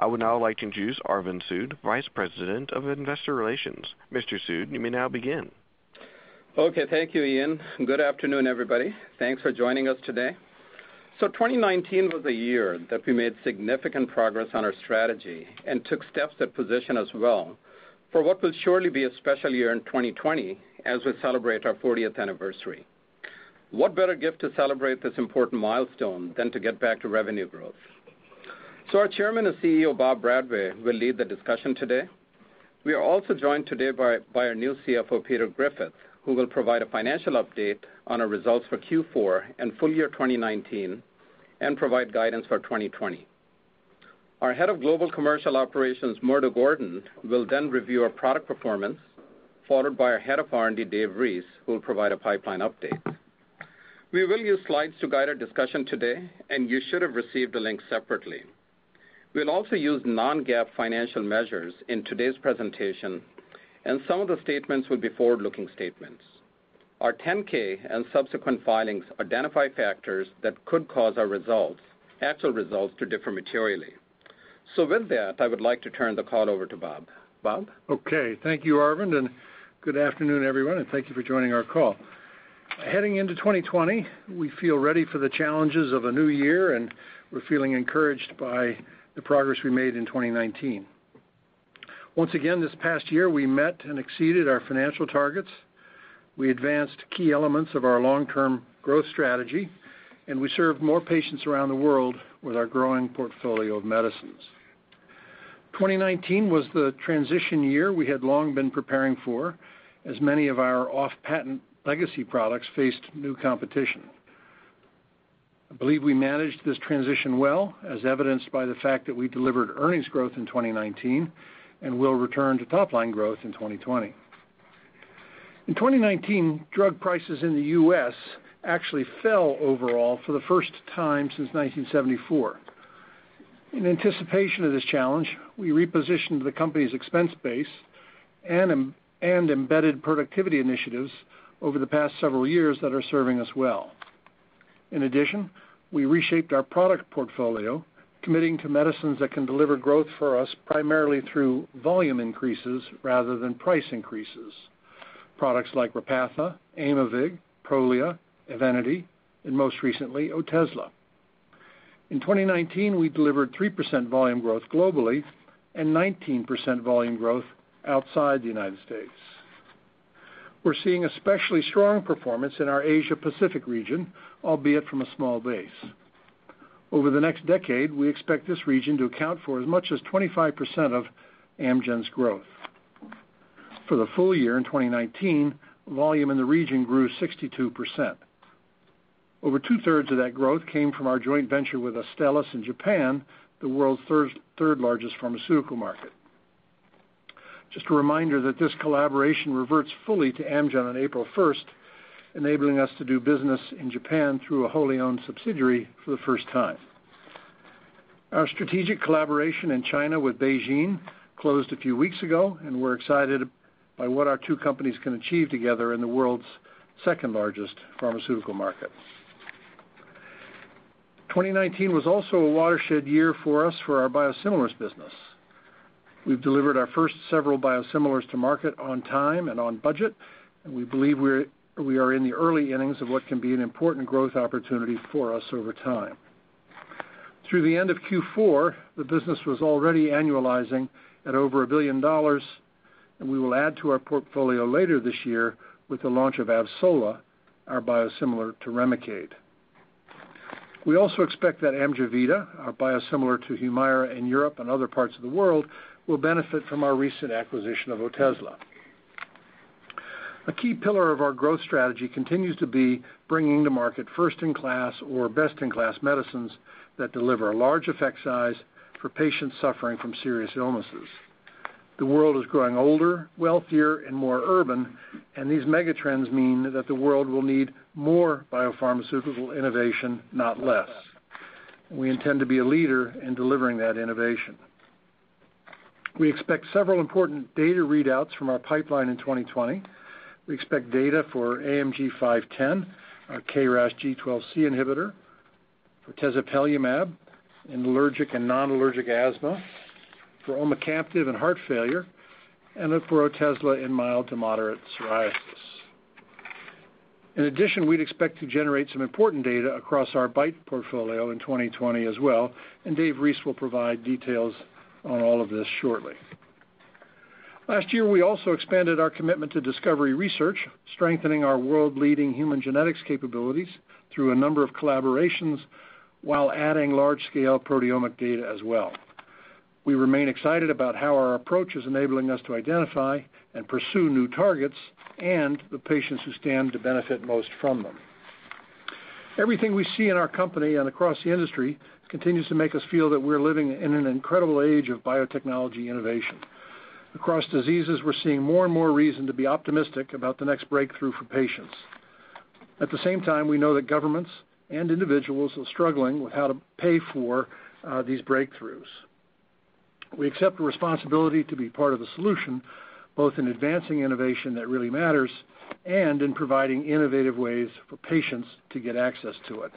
I would now like to introduce Arvind Sood, Vice President of Investor Relations. Mr. Sood, you may now begin. Okay, thank you, Arvind. Good afternoon, everybody. Thanks for joining us today. 2019 was a year that we made significant progress on our strategy and took steps to position us well for what will surely be a special year in 2020 as we celebrate our 40th anniversary. What better gift to celebrate this important milestone than to get back to revenue growth? Our Chairman and CEO, Bob Bradway, will lead the discussion today. We are also joined today by our new CFO, Peter Griffith, who will provide a financial update on our results for Q4 and full year 2019 and provide guidance for 2020. Our Head of Global Commercial Operations, Murdo Gordon, will then review our product performance, followed by our Head of R&D, Dave Reese, who will provide a pipeline update. We will use slides to guide our discussion today, and you should have received a link separately. We'll also use non-GAAP financial measures in today's presentation, and some of the statements will be forward-looking statements. Our 10-K and subsequent filings identify factors that could cause our actual results to differ materially. With that, I would like to turn the call over to Bob. Bob? Okay. Thank you, Arvind, and good afternoon, everyone, and thank you for joining our call. Heading into 2020, we feel ready for the challenges of a new year, and we're feeling encouraged by the progress we made in 2019. Once again, this past year, we met and exceeded our financial targets. We advanced key elements of our long-term growth strategy, and we served more patients around the world with our growing portfolio of medicines. 2019 was the transition year we had long been preparing for, as many of our off-patent legacy products faced new competition. I believe we managed this transition well, as evidenced by the fact that we delivered earnings growth in 2019 and will return to top-line growth in 2020. In 2019, drug prices in the U.S. actually fell overall for the first time since 1974. In anticipation of this challenge, we repositioned the company's expense base and embedded productivity initiatives over the past several years that are serving us well. We reshaped our product portfolio, committing to medicines that can deliver growth for us primarily through volume increases rather than price increases. Products like Repatha, Aimovig, Prolia, EVENITY, and most recently, Otezla. In 2019, we delivered 3% volume growth globally and 19% volume growth outside the U.S. We're seeing especially strong performance in our Asia Pacific region, albeit from a small base. Over the next decade, we expect this region to account for as much as 25% of Amgen's growth. For the full year in 2019, volume in the region grew 62%. Over two-thirds of that growth came from our joint venture with Astellas in Japan, the world's third-largest pharmaceutical market. Just a reminder that this collaboration reverts fully to Amgen on April 1st, enabling us to do business in Japan through a wholly owned subsidiary for the first time. Our strategic collaboration in China with BeiGene closed a few weeks ago, and we're excited by what our two companies can achieve together in the world's second-largest pharmaceutical market. 2019 was also a watershed year for us for our biosimilars business. We've delivered our first several biosimilars to market on time and on budget, and we believe we are in the early innings of what can be an important growth opportunity for us over time. Through the end of Q4, the business was already annualizing at over $1 billion, and we will add to our portfolio later this year with the launch of AVSOLA, our biosimilar to REMICADE. We also expect that AMGEVITA, our biosimilar to HUMIRA in Europe and other parts of the world, will benefit from our recent acquisition of Otezla. A key pillar of our growth strategy continues to be bringing to market first-in-class or best-in-class medicines that deliver a large effect size for patients suffering from serious illnesses. The world is growing older, wealthier, and more urban, and these megatrends mean that the world will need more biopharmaceutical innovation, not less. We intend to be a leader in delivering that innovation. We expect several important data readouts from our pipeline in 2020. We expect data for AMG 510, our KRAS G12C inhibitor, for tezepelumab in allergic and non-allergic asthma, for omecamtiv in heart failure, and then for Otezla in mild to moderate psoriasis. In addition, we'd expect to generate some important data across our BiTE portfolio in 2020 as well. Dave Reese will provide details on all of this shortly. Last year, we also expanded our commitment to discovery research, strengthening our world-leading human genetics capabilities through a number of collaborations while adding large-scale proteomic data as well. We remain excited about how our approach is enabling us to identify and pursue new targets and the patients who stand to benefit most from them. Everything we see in our company and across the industry continues to make us feel that we're living in an incredible age of biotechnology innovation. Across diseases, we're seeing more and more reason to be optimistic about the next breakthrough for patients. At the same time, we know that governments and individuals are struggling with how to pay for these breakthroughs. We accept the responsibility to be part of the solution, both in advancing innovation that really matters and in providing innovative ways for patients to get access to it.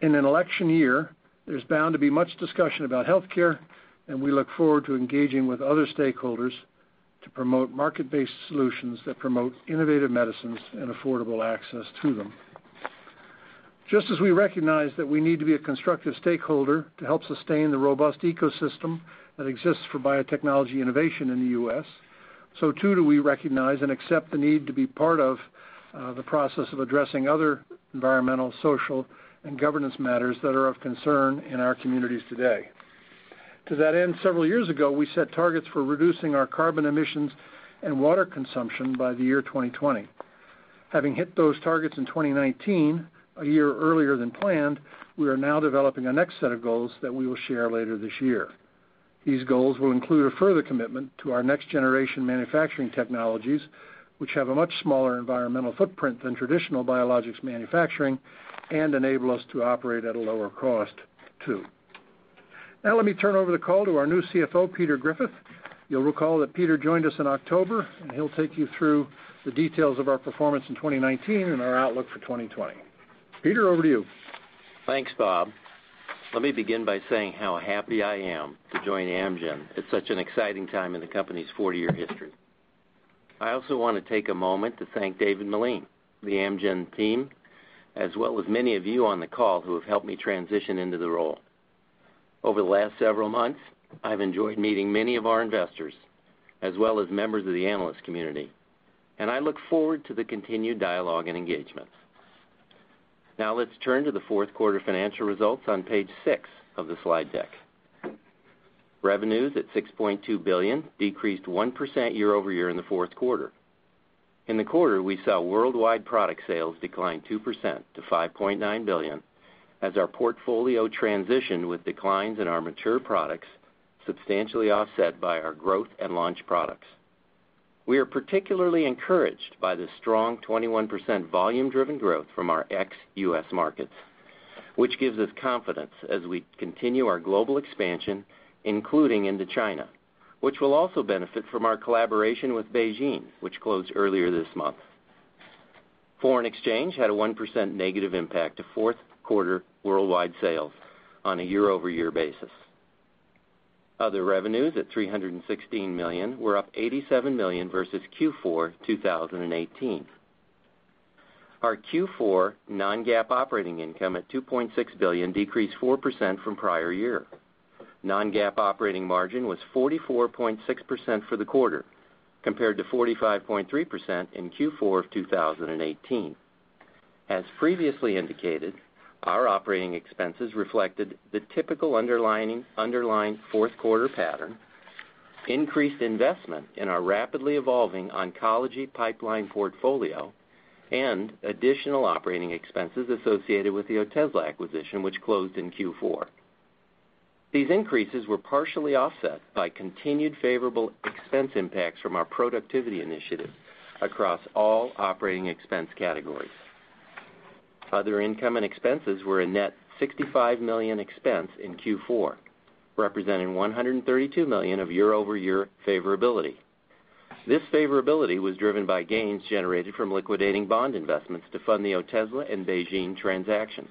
In an election year, there's bound to be much discussion about healthcare, and we look forward to engaging with other stakeholders to promote market-based solutions that promote innovative medicines and affordable access to them. Just as we recognize that we need to be a constructive stakeholder to help sustain the robust ecosystem that exists for biotechnology innovation in the U.S., so too do we recognize and accept the need to be part of the process of addressing other environmental, social, and governance matters that are of concern in our communities today. To that end, several years ago, we set targets for reducing our carbon emissions and water consumption by the year 2020. Having hit those targets in 2019, a year earlier than planned, we are now developing a next set of goals that we will share later this year. These goals will include a further commitment to our next-generation manufacturing technologies, which have a much smaller environmental footprint than traditional biologics manufacturing and enable us to operate at a lower cost, too. Let me turn over the call to our new CFO, Peter Griffith. You'll recall that Peter joined us in October. He'll take you through the details of our performance in 2019 and our outlook for 2020. Peter, over to you. Thanks, Bob. Let me begin by saying how happy I am to join Amgen at such an exciting time in the company's 40-year history. I also want to take a moment to thank David Meline, the Amgen team, as well as many of you on the call who have helped me transition into the role. Over the last several months, I've enjoyed meeting many of our investors as well as members of the analyst community. I look forward to the continued dialogue and engagement. Let's turn to the fourth quarter financial results on page six of the slide deck. Revenues at $6.2 billion decreased 1% year-over-year in the fourth quarter. In the quarter, we saw worldwide product sales decline 2% to $5.9 billion as our portfolio transitioned with declines in our mature products, substantially offset by our growth and launch products. We are particularly encouraged by the strong 21% volume-driven growth from our ex-US markets, which gives us confidence as we continue our global expansion, including into China, which will also benefit from our collaboration with BeiGene, which closed earlier this month. Foreign exchange had a 1% negative impact to fourth quarter worldwide sales on a year-over-year basis. Other revenues at $316 million were up $87 million versus Q4 2018. Our Q4 non-GAAP operating income at $2.6 billion decreased 4% from prior year. Non-GAAP operating margin was 44.6% for the quarter, compared to 45.3% in Q4 of 2018. As previously indicated, our operating expenses reflected the typical underlying fourth quarter pattern, increased investment in our rapidly evolving oncology pipeline portfolio, and additional operating expenses associated with the Otezla acquisition, which closed in Q4. These increases were partially offset by continued favorable expense impacts from our productivity initiative across all operating expense categories. Other income and expenses were a net $65 million expense in Q4, representing $132 million of year-over-year favorability. This favorability was driven by gains generated from liquidating bond investments to fund the Otezla and BeiGene transactions,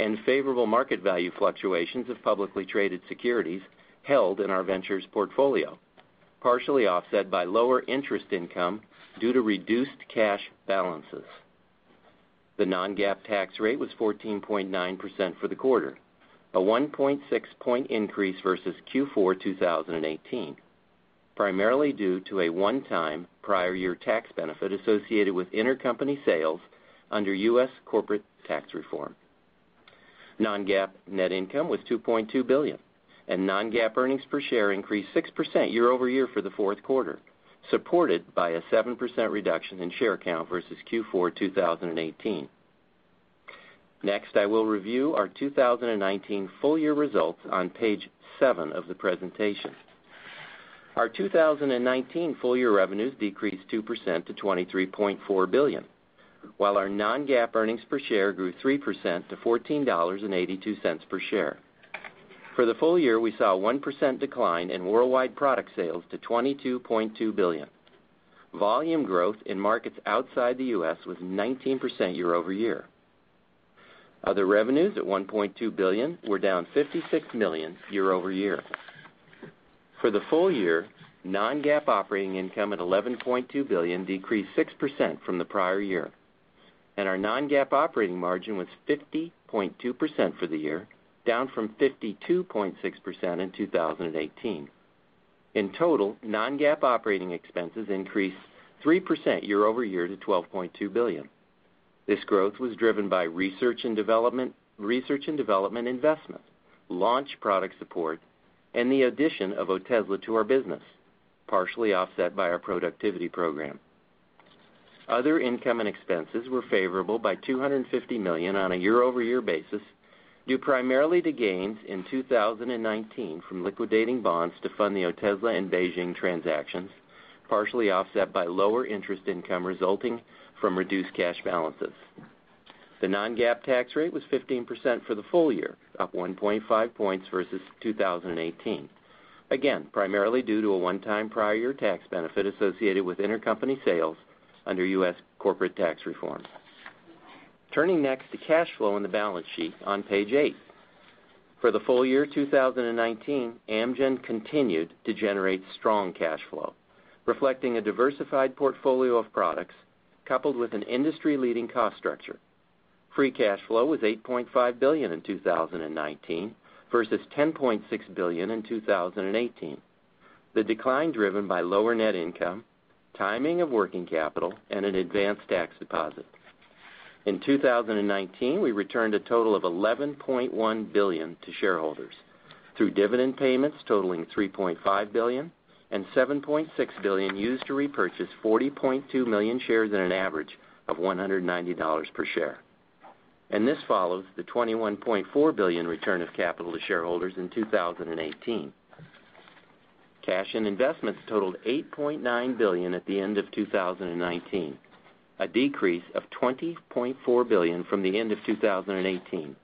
and favorable market value fluctuations of publicly traded securities held in our ventures portfolio, partially offset by lower interest income due to reduced cash balances. The non-GAAP tax rate was 14.9% for the quarter, a 1.6 point increase versus Q4 2018, primarily due to a one-time prior year tax benefit associated with intercompany sales under U.S. corporate tax reform. Non-GAAP net income was $2.2 billion, and non-GAAP earnings per share increased 6% year-over-year for the fourth quarter, supported by a 7% reduction in share count versus Q4 2018. I will review our 2019 full year results on page seven of the presentation. Our 2019 full year revenues decreased 2% to $23.4 billion, while our non-GAAP earnings per share grew 3% to $14.82 per share. For the full year, we saw a 1% decline in worldwide product sales to $22.2 billion. Volume growth in markets outside the U.S. was 19% year-over-year. Other revenues at $1.2 billion were down $56 million year-over-year. For the full year, non-GAAP operating income at $11.2 billion decreased 6% from the prior year. Our non-GAAP operating margin was 50.2% for the year, down from 52.6% in 2018. In total, non-GAAP operating expenses increased 3% year-over-year to $12.2 billion. This growth was driven by R&D investments, launch product support, and the addition of Otezla to our business, partially offset by our productivity program. Other income and expenses were favorable by $250 million on a year-over-year basis, due primarily to gains in 2019 from liquidating bonds to fund the Otezla and BeiGene transactions, partially offset by lower interest income resulting from reduced cash balances. The non-GAAP tax rate was 15% for the full year, up 1.5 points versus 2018, again, primarily due to a one-time prior year tax benefit associated with intercompany sales under US corporate tax reform. Turning next to cash flow in the balance sheet on page eight. For the full year 2019, Amgen continued to generate strong cash flow, reflecting a diversified portfolio of products, coupled with an industry-leading cost structure. Free cash flow was $8.5 billion in 2019 versus $10.6 billion in 2018, the decline driven by lower net income, timing of working capital, and an advanced tax deposit. In 2019, we returned a total of $11.1 billion to shareholders through dividend payments totaling $3.5 billion and $7.6 billion used to repurchase 40.2 million shares at an average of $190 per share. This follows the $21.4 billion return of capital to shareholders in 2018. Cash and investments totaled $8.9 billion at the end of 2019, a decrease of $20.4 billion from the end of 2018.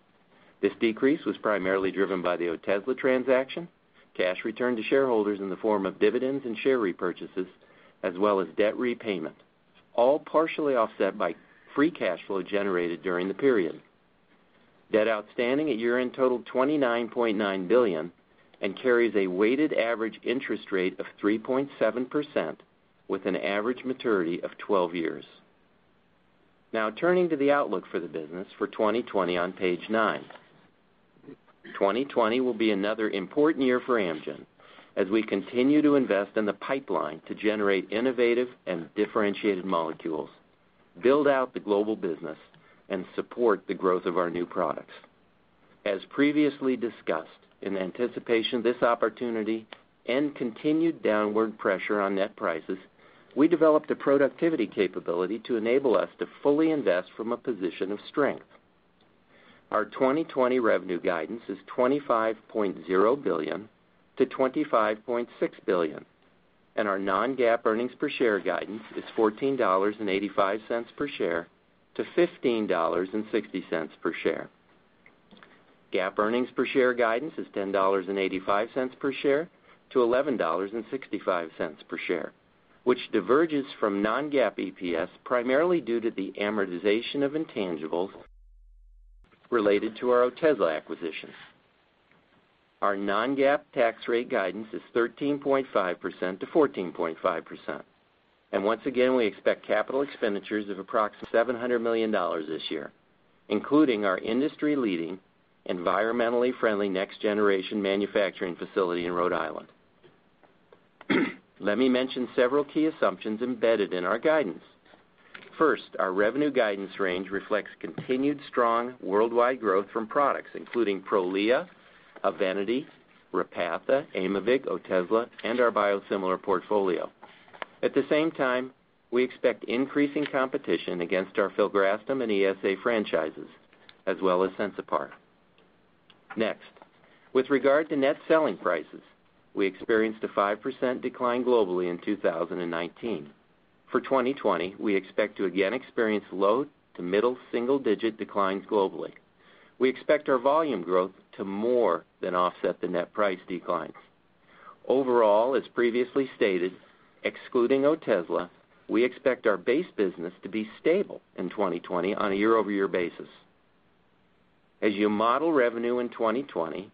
This decrease was primarily driven by the Otezla transaction, cash returned to shareholders in the form of dividends and share repurchases, as well as debt repayment, all partially offset by free cash flow generated during the period. Debt outstanding at year-end totaled $29.9 billion and carries a weighted average interest rate of 3.7% with an average maturity of 12 years. Turning to the outlook for the business for 2020 on page nine. 2020 will be another important year for Amgen as we continue to invest in the pipeline to generate innovative and differentiated molecules, build out the global business, and support the growth of our new products. As previously discussed, in anticipation of this opportunity and continued downward pressure on net prices, we developed a productivity capability to enable us to fully invest from a position of strength. Our 2020 revenue guidance is $25.0 billion-$25.6 billion, and our non-GAAP earnings per share guidance is $14.85 per share to $15.60 per share. GAAP earnings per share guidance is $10.85 per share to $11.65 per share, which diverges from non-GAAP EPS primarily due to the amortization of intangibles related to our Otezla acquisition. Our non-GAAP tax rate guidance is 13.5%-14.5%. Once again, we expect capital expenditures of approximately $700 million this year, including our industry-leading, environmentally friendly, next generation manufacturing facility in Rhode Island. Let me mention several key assumptions embedded in our guidance. First, our revenue guidance range reflects continued strong worldwide growth from products including Prolia, EVENITY, Repatha, Aimovig, Otezla, and our biosimilar portfolio. At the same time, we expect increasing competition against our filgrastim and ESA franchises as well as Sensipar. Next, with regard to net selling prices, we experienced a 5% decline globally in 2019. For 2020, we expect to again experience low to middle single-digit declines globally. We expect our volume growth to more than offset the net price declines. Overall, as previously stated, excluding Otezla, we expect our base business to be stable in 2020 on a year-over-year basis. As you model revenue in 2020,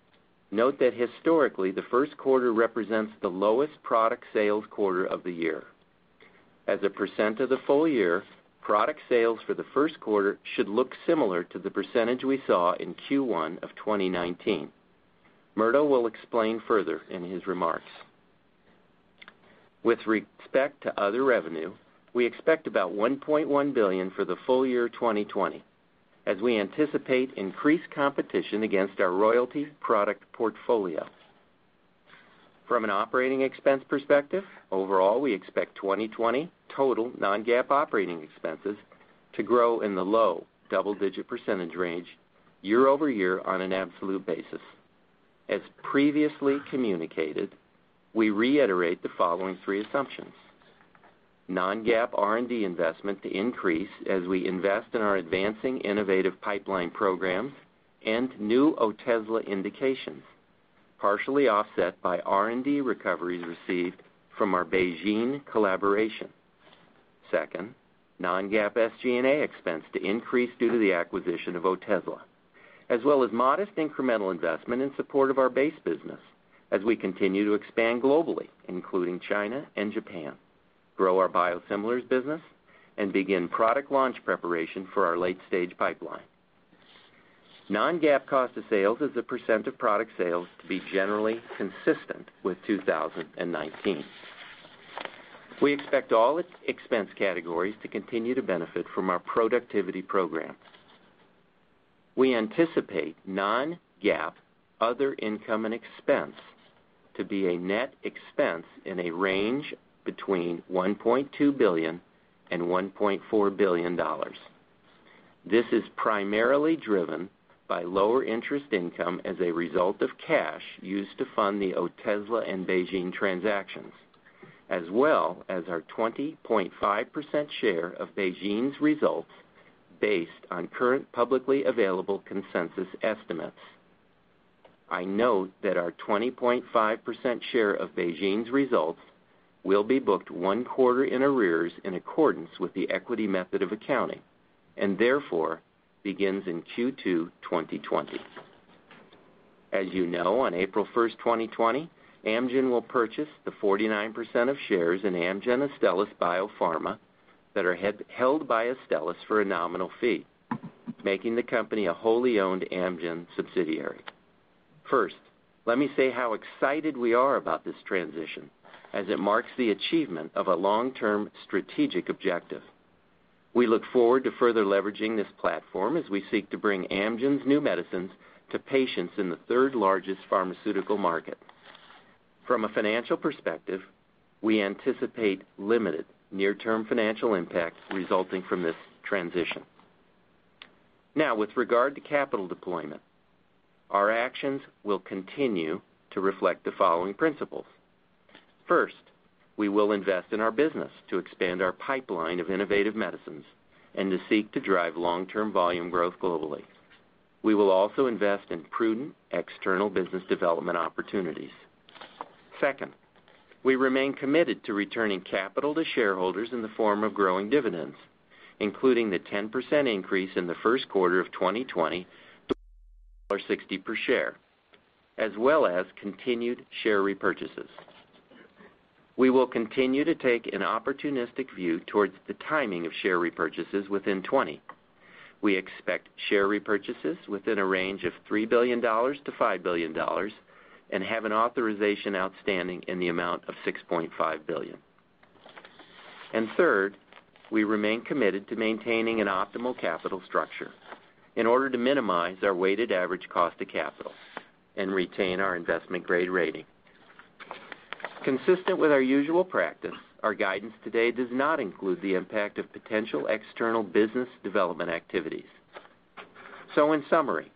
note that historically, the first quarter represents the lowest product sales quarter of the year. As a percent of the full year, product sales for the first quarter should look similar to the percentage we saw in Q1 of 2019. Murdo will explain further in his remarks. With respect to other revenue, we expect about $1.1 billion for the full year 2020 as we anticipate increased competition against our royalty product portfolio. From an operating expense perspective, overall, we expect 2020 total non-GAAP operating expenses to grow in the low double-digit percentage range year-over-year on an absolute basis. As previously communicated, we reiterate the following three assumptions. Non-GAAP R&D investment to increase as we invest in our advancing innovative pipeline programs and new Otezla indications, partially offset by R&D recoveries received from our BeiGene collaboration. Non-GAAP SG&A expense to increase due to the acquisition of Otezla, as well as modest incremental investment in support of our base business as we continue to expand globally, including China and Japan, grow our biosimilars business, and begin product launch preparation for our late-stage pipeline. Non-GAAP cost of sales as a percent of product sales to be generally consistent with 2019. We expect all expense categories to continue to benefit from our productivity programs. We anticipate non-GAAP other income and expense to be a net expense in a range between $1.2 billion and $1.4 billion. This is primarily driven by lower interest income as a result of cash used to fund the Otezla and BeiGene transactions. Our 20.5% share of BeiGene's results based on current publicly available consensus estimates. I note that our 20.5% share of BeiGene's results will be booked one quarter in arrears in accordance with the equity method of accounting, and therefore, begins in Q2 2020. As you know, on April 1st, 2020, Amgen will purchase the 49% of shares in Amgen Astellas BioPharma that are held by Astellas for a nominal fee, making the company a wholly owned Amgen subsidiary. First, let me say how excited we are about this transition as it marks the achievement of a long-term strategic objective. We look forward to further leveraging this platform as we seek to bring Amgen's new medicines to patients in the third largest pharmaceutical market. From a financial perspective, we anticipate limited near-term financial impacts resulting from this transition. Now, with regard to capital deployment, our actions will continue to reflect the following principles. First, we will invest in our business to expand our pipeline of innovative medicines and to seek to drive long-term volume growth globally. We will also invest in prudent external business development opportunities. Second, we remain committed to returning capital to shareholders in the form of growing dividends, including the 10% increase in the first quarter of 2020 to per share, as well as continued share repurchases. We will continue to take an opportunistic view towards the timing of share repurchases within 2020. We expect share repurchases within a range of $3 billion to $5 billion and have an authorization outstanding in the amount of $6.5 billion. Third, we remain committed to maintaining an optimal capital structure in order to minimize our weighted average cost of capital and retain our investment-grade rating. Consistent with our usual practice, our guidance today does not include the impact of potential external business development activities. In summary,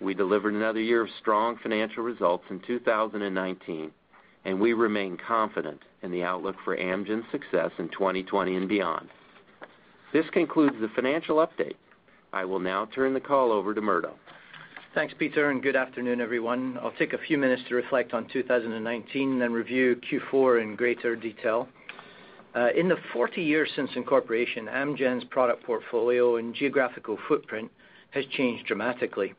we delivered another year of strong financial results in 2019, and we remain confident in the outlook for Amgen's success in 2020 and beyond. This concludes the financial update. I will now turn the call over to Murdo. Thanks, Peter. Good afternoon, everyone. I'll take a few minutes to reflect on 2019, and then review Q4 in greater detail. In the 40 years since incorporation, Amgen's product portfolio and geographical footprint has changed dramatically.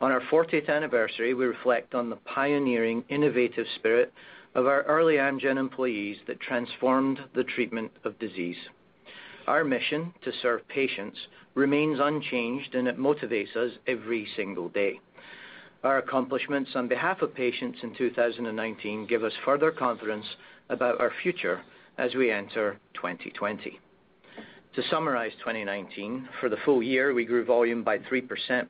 On our 40th anniversary, we reflect on the pioneering, innovative spirit of our early Amgen employees that transformed the treatment of disease. Our mission to serve patients remains unchanged, and it motivates us every single day. Our accomplishments on behalf of patients in 2019 give us further confidence about our future as we enter 2020. To summarize 2019, for the full year, we grew volume by 3%.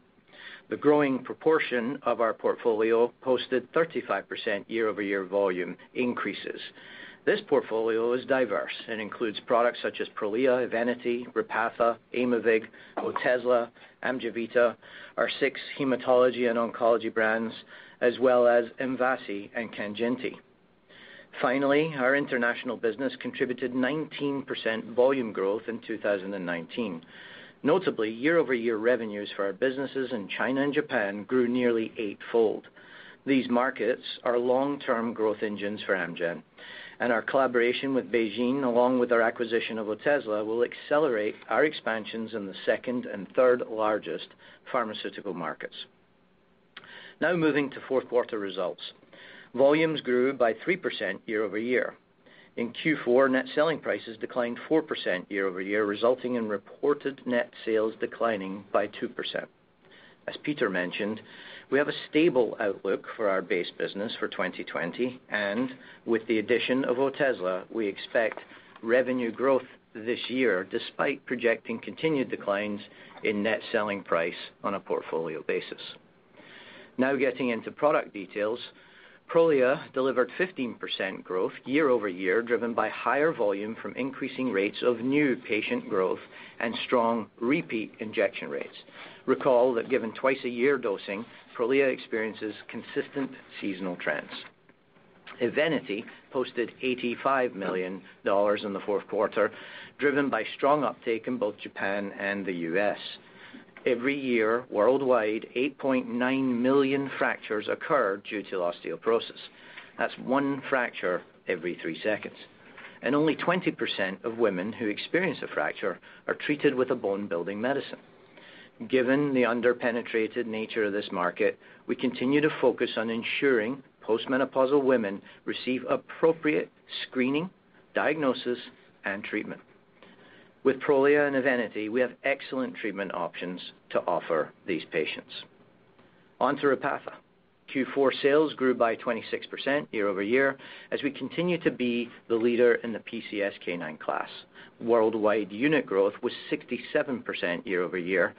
The growing proportion of our portfolio posted 35% year-over-year volume increases. This portfolio is diverse and includes products such as Prolia, EVENITY, Repatha, Aimovig, Otezla, AMGEVITA, our six hematology and oncology brands, as well as MVASI and KANJINTI. Finally, our international business contributed 19% volume growth in 2019. Notably, year-over-year revenues for our businesses in China and Japan grew nearly eightfold. These markets are long-term growth engines for Amgen, and our collaboration with BeiGene, along with our acquisition of Otezla, will accelerate our expansions in the second and third largest pharmaceutical markets. Now moving to fourth quarter results. Volumes grew by 3% year-over-year. In Q4, net selling prices declined 4% year-over-year, resulting in reported net sales declining by 2%. As Peter mentioned, we have a stable outlook for our base business for 2020, and with the addition of Otezla, we expect revenue growth this year despite projecting continued declines in net selling price on a portfolio basis. Now getting into product details. Prolia delivered 15% growth year-over-year, driven by higher volume from increasing rates of new patient growth and strong repeat injection rates. Recall that given twice-a-year dosing, Prolia experiences consistent seasonal trends. EVENITY posted $85 million in the fourth quarter, driven by strong uptake in both Japan and the U.S. Every year, worldwide, 8.9 million fractures occur due to osteoporosis. That's one fracture every three seconds. Only 20% of women who experience a fracture are treated with a bone-building medicine. Given the under-penetrated nature of this market, we continue to focus on ensuring post-menopausal women receive appropriate screening, diagnosis, and treatment. With Prolia and EVENITY, we have excellent treatment options to offer these patients. Onto Repatha. Q4 sales grew by 26% year-over-year as we continue to be the leader in the PCSK9 class. Worldwide unit growth was 67% year-over-year,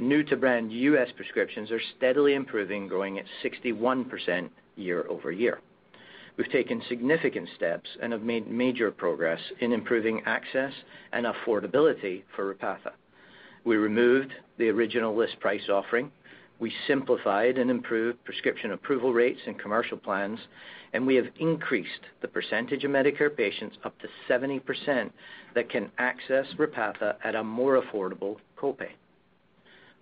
new to brand U.S. prescriptions are steadily improving, growing at 61% year-over-year. We've taken significant steps and have made major progress in improving access and affordability for Repatha. We removed the original list price offering. We simplified and improved prescription approval rates and commercial plans, we have increased the percentage of Medicare patients up to 70% that can access Repatha at a more affordable co-pay.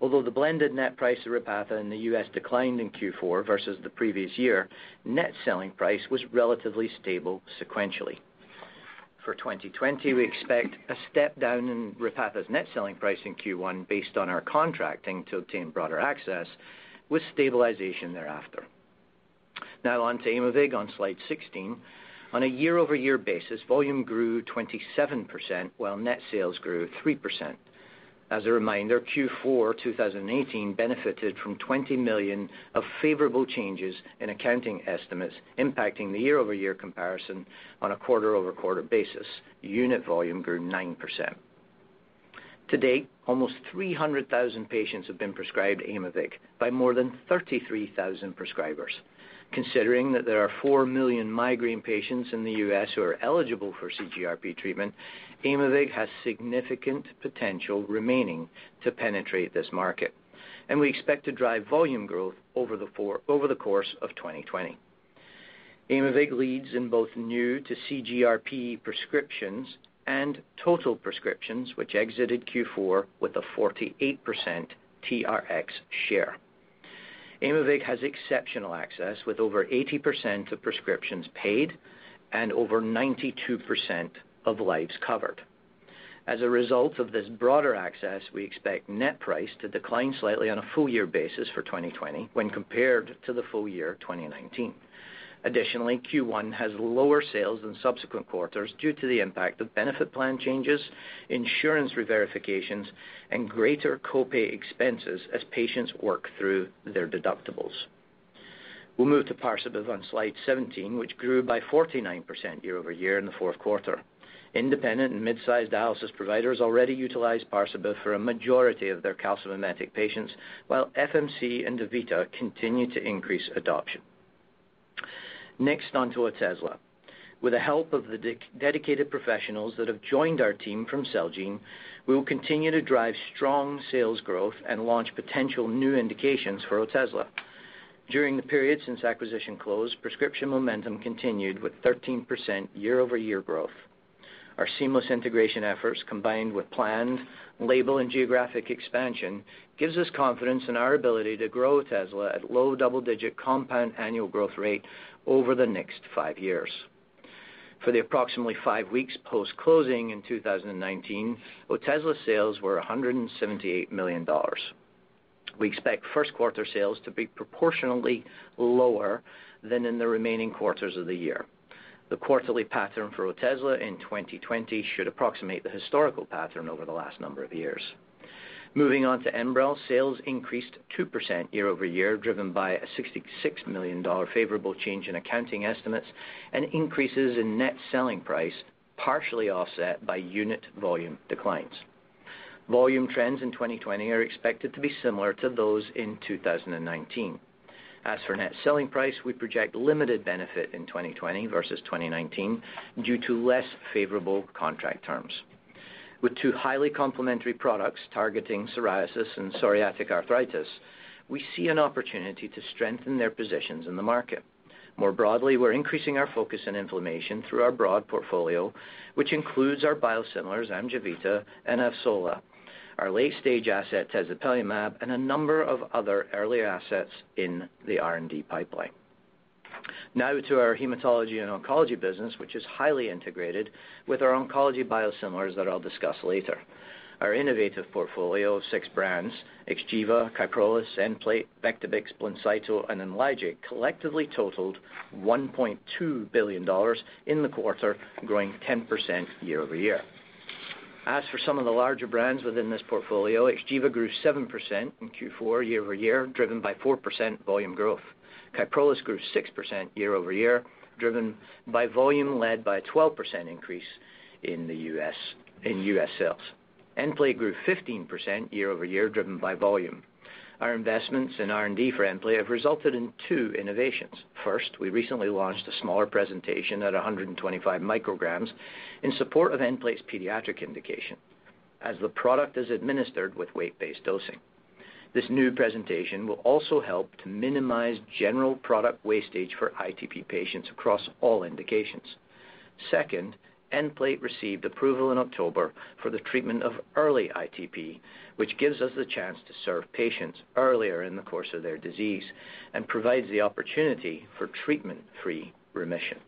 Although the blended net price of Repatha in the U.S. declined in Q4 versus the previous year, net selling price was relatively stable sequentially. For 2020, we expect a step down in Repatha's net selling price in Q1, based on our contracting to obtain broader access, with stabilization thereafter. On to Aimovig on slide 16. On a year-over-year basis, volume grew 27%, while net sales grew 3%. As a reminder, Q4 2018 benefited from $20 million of favorable changes in accounting estimates impacting the year-over-year comparison on a quarter-over-quarter basis. Unit volume grew 9%. To date, almost 300,000 patients have been prescribed Aimovig by more than 33,000 prescribers. Considering that there are 4 million migraine patients in the U.S. who are eligible for CGRP treatment, Aimovig has significant potential remaining to penetrate this market, and we expect to drive volume growth over the course of 2020. Aimovig leads in both new to CGRP prescriptions and total prescriptions, which exited Q4 with a 48% TRX share. Aimovig has exceptional access, with over 80% of prescriptions paid and over 92% of lives covered. As a result of this broader access, we expect net price to decline slightly on a full-year basis for 2020 when compared to the full year 2019. Additionally, Q1 has lower sales than subsequent quarters due to the impact of benefit plan changes, insurance reverifications, and greater co-pay expenses as patients work through their deductibles. We'll move to Parsabiv on slide 17, which grew by 49% year-over-year in the fourth quarter. Independent and mid-sized dialysis providers already utilize Parsabiv for a majority of their calcimimetic patients, while FMC and DaVita continue to increase adoption. Onto Otezla. With the help of the dedicated professionals that have joined our team from Celgene, we will continue to drive strong sales growth and launch potential new indications for Otezla. During the period since acquisition close, prescription momentum continued with 13% year-over-year growth. Our seamless integration efforts, combined with planned label and geographic expansion, gives us confidence in our ability to grow Otezla at low double-digit compound annual growth rate over the next five years. For the approximately five weeks post-closing in 2019, Otezla sales were $178 million. We expect first quarter sales to be proportionally lower than in the remaining quarters of the year. The quarterly pattern for Otezla in 2020 should approximate the historical pattern over the last number of years. Moving on to ENBREL. Sales increased 2% year-over-year, driven by a $66 million favorable change in accounting estimates and increases in net selling price, partially offset by unit volume declines. Volume trends in 2020 are expected to be similar to those in 2019. As for net selling price, we project limited benefit in 2020 versus 2019 due to less favorable contract terms. With two highly complementary products targeting psoriasis and psoriatic arthritis, we see an opportunity to strengthen their positions in the market. More broadly, we're increasing our focus in inflammation through our broad portfolio, which includes our biosimilars, AMGEVITA and EVOLU, our late-stage asset, tezepelumab, and a number of other early assets in the R&D pipeline. Now to our hematology and oncology business, which is highly integrated with our oncology biosimilars that I'll discuss later. Our innovative portfolio of six brands, XGEVA, KYPROLIS, Nplate, Vectibix, BLINCYTO, and IMLYGIC, collectively totaled $1.2 billion in the quarter, growing 10% year-over-year. As for some of the larger brands within this portfolio, XGEVA grew 7% in Q4 year-over-year, driven by 4% volume growth. KYPROLIS grew 6% year-over-year, driven by volume led by a 12% increase in U.S. sales. Nplate grew 15% year-over-year, driven by volume. Our investments in R&D for Nplate have resulted in two innovations. We recently launched a smaller presentation at 125 mcg in support of Nplate's pediatric indication as the product is administered with weight-based dosing. This new presentation will also help to minimize general product wastage for ITP patients across all indications. Nplate received approval in October for the treatment of early ITP, which gives us the chance to serve patients earlier in the course of their disease and provides the opportunity for treatment-free remission.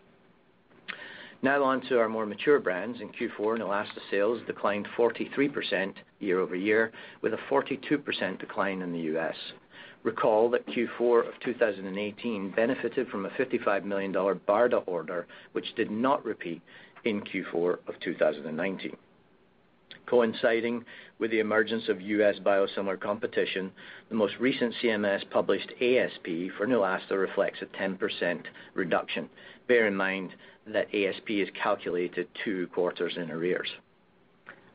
On to our more mature brands. In Q4, Neulasta sales declined 43% year-over-year with a 42% decline in the U.S. Recall that Q4 of 2018 benefited from a $55 million BARDA order, which did not repeat in Q4 of 2019. Coinciding with the emergence of U.S. biosimilar competition, the most recent CMS published ASP for Neulasta reflects a 10% reduction. Bear in mind that ASP is calculated two quarters in arrears.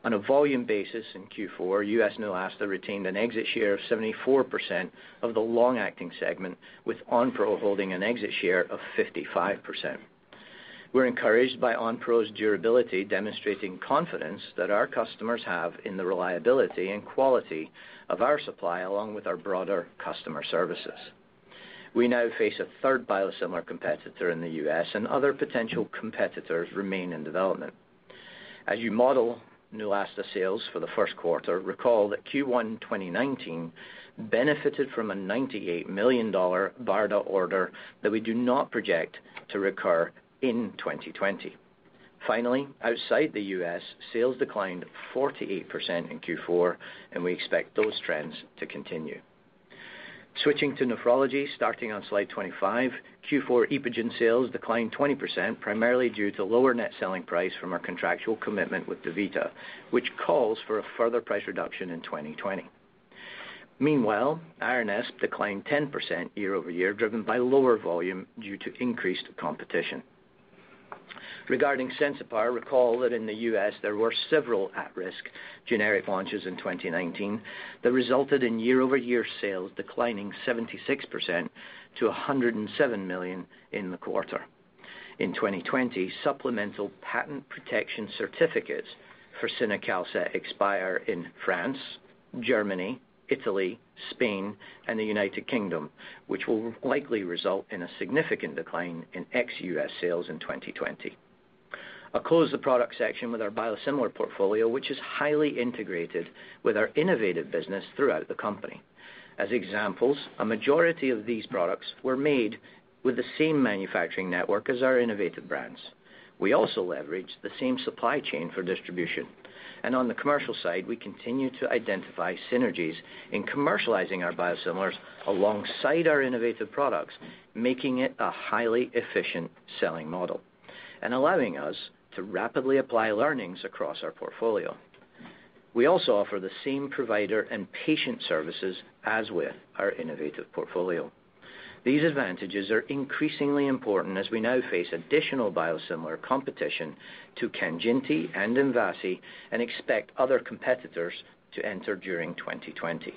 On a volume basis in Q4, U.S. Neulasta retained an exit share of 74% of the long-acting segment, with Onpro holding an exit share of 55%. We're encouraged by Onpro's durability, demonstrating confidence that our customers have in the reliability and quality of our supply, along with our broader customer services. We now face a third biosimilar competitor in the U.S., and other potential competitors remain in development. As you model Neulasta sales for the first quarter, recall that Q1 2019 benefited from a $98 million BARDA order that we do not project to recur in 2020. Finally, outside the U.S., sales declined 48% in Q4, and we expect those trends to continue. Switching to nephrology, starting on slide 25, Q4 EPOGEN sales declined 20%, primarily due to lower net selling price from our contractual commitment with DaVita, which calls for a further price reduction in 2020. Meanwhile, Aranesp declined 10% year-over-year, driven by lower volume due to increased competition. Regarding Sensipar, recall that in the U.S., there were several at-risk generic launches in 2019 that resulted in year-over-year sales declining 76% to $107 million in the quarter. In 2020, supplemental patent protection certificates for Cinacalcet expire in France, Germany, Italy, Spain, and the United Kingdom, which will likely result in a significant decline in ex-U.S. sales in 2020. I'll close the product section with our biosimilar portfolio, which is highly integrated with our innovative business throughout the company. As examples, a majority of these products were made with the same manufacturing network as our innovative brands. We also leverage the same supply chain for distribution. On the commercial side, we continue to identify synergies in commercializing our biosimilars alongside our innovative products, making it a highly efficient selling model and allowing us to rapidly apply learnings across our portfolio. We also offer the same provider and patient services as with our innovative portfolio. These advantages are increasingly important as we now face additional biosimilar competition to KANJINTI and MVASI and expect other competitors to enter during 2020.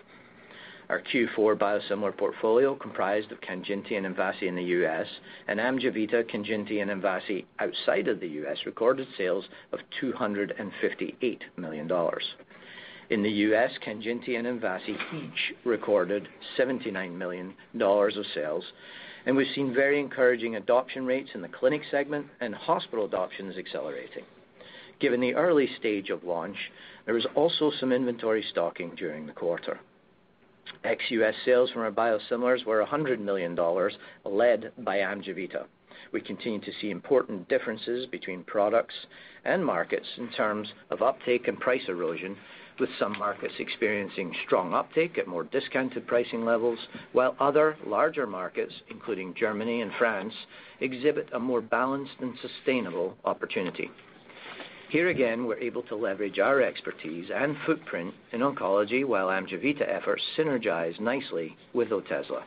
Our Q4 biosimilar portfolio comprised of KANJINTI and MVASI in the U.S. and AMGEVITA, KANJINTI, and MVASI outside of the U.S. recorded sales of $258 million. In the U.S., KANJINTI and MVASI each recorded $79 million of sales, and we've seen very encouraging adoption rates in the clinic segment, and hospital adoption is accelerating. Given the early stage of launch, there is also some inventory stocking during the quarter. Ex-US sales from our biosimilars were $100 million, led by AMGEVITA. We continue to see important differences between products and markets in terms of uptake and price erosion, with some markets experiencing strong uptake at more discounted pricing levels, while other larger markets, including Germany and France, exhibit a more balanced and sustainable opportunity. Here again, we're able to leverage our expertise and footprint in oncology, while AMGEVITA efforts synergize nicely with Otezla.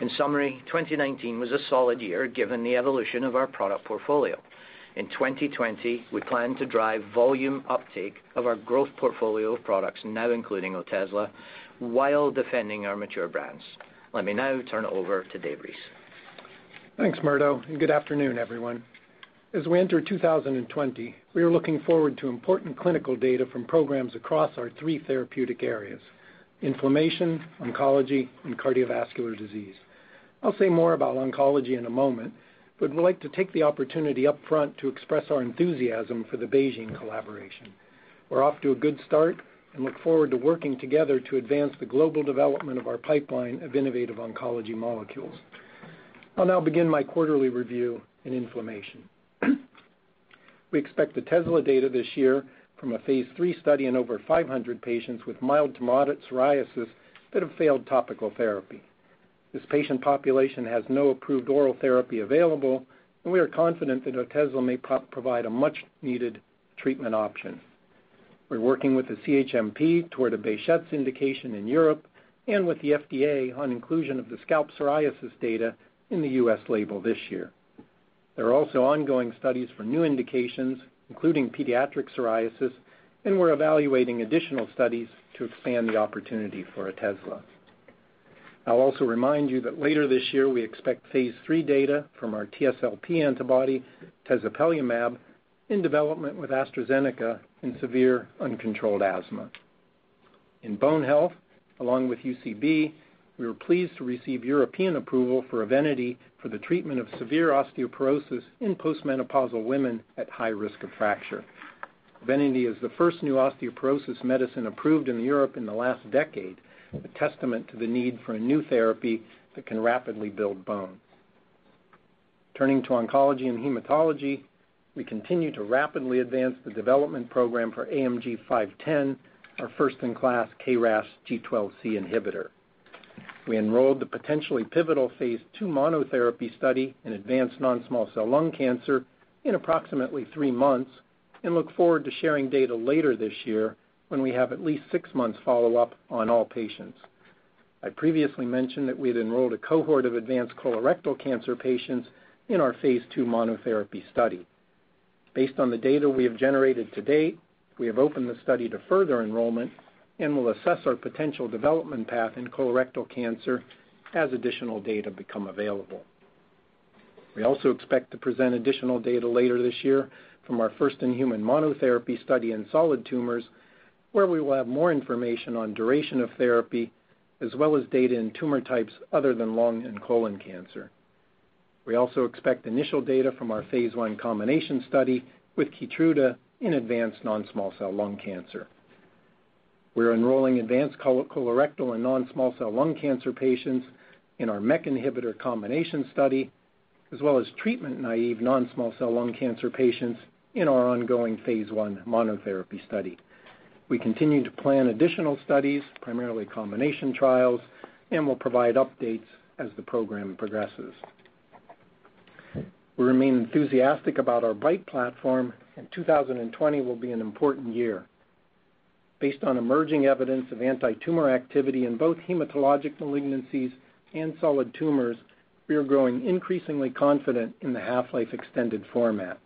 In summary, 2019 was a solid year given the evolution of our product portfolio. In 2020, we plan to drive volume uptake of our growth portfolio of products, now including Otezla, while defending our mature brands. Let me now turn it over to Dave Reese. Thanks, Murdo. Good afternoon, everyone. As we enter 2020, we are looking forward to important clinical data from programs across our three therapeutic areas, inflammation, oncology, and cardiovascular disease. I'll say more about oncology in a moment. Would like to take the opportunity up front to express our enthusiasm for the BeiGene collaboration. We're off to a good start. Look forward to working together to advance the global development of our pipeline of innovative oncology molecules. I'll now begin my quarterly review in inflammation. We expect Otezla data this year from a phase III study in over 500 patients with mild to moderate psoriasis that have failed topical therapy. This patient population has no approved oral therapy available. We are confident that Otezla may provide a much-needed treatment option. We're working with the CHMP toward a Behçet's indication in Europe and with the FDA on inclusion of the scalp psoriasis data in the U.S. label this year. There are also ongoing studies for new indications, including pediatric psoriasis, and we're evaluating additional studies to expand the opportunity for Otezla. I'll also remind you that later this year, we expect phase III data from our TSLP antibody, tezepelumab, in development with AstraZeneca in severe, uncontrolled asthma. In bone health, along with UCB, we were pleased to receive European approval for EVENITY for the treatment of severe osteoporosis in postmenopausal women at high risk of fracture. EVENITY is the first new osteoporosis medicine approved in Europe in the last decade, a testament to the need for a new therapy that can rapidly build bone. Turning to oncology and hematology, we continue to rapidly advance the development program for AMG 510, our first-in-class KRAS G12C inhibitor. We enrolled the potentially pivotal phase II monotherapy study in advanced non-small cell lung cancer in approximately three months and look forward to sharing data later this year when we have at least six months follow-up on all patients. I previously mentioned that we had enrolled a cohort of advanced colorectal cancer patients in our phase II monotherapy study. Based on the data we have generated to date, we have opened the study to further enrollment and will assess our potential development path in colorectal cancer as additional data become available. We also expect to present additional data later this year from our first in-human monotherapy study in solid tumors, where we will have more information on duration of therapy as well as data in tumor types other than lung and colon cancer. We also expect initial data from our phase I combination study with KEYTRUDA in advanced non-small cell lung cancer. We're enrolling advanced colorectal and non-small cell lung cancer patients in our MEK inhibitor combination study, as well as treatment-naïve non-small cell lung cancer patients in our ongoing phase I monotherapy study. We continue to plan additional studies, primarily combination trials, and will provide updates as the program progresses. We remain enthusiastic about our BiTE platform, and 2020 will be an important year. Based on emerging evidence of anti-tumor activity in both hematologic malignancies and solid tumors, we are growing increasingly confident in the half-life extended format.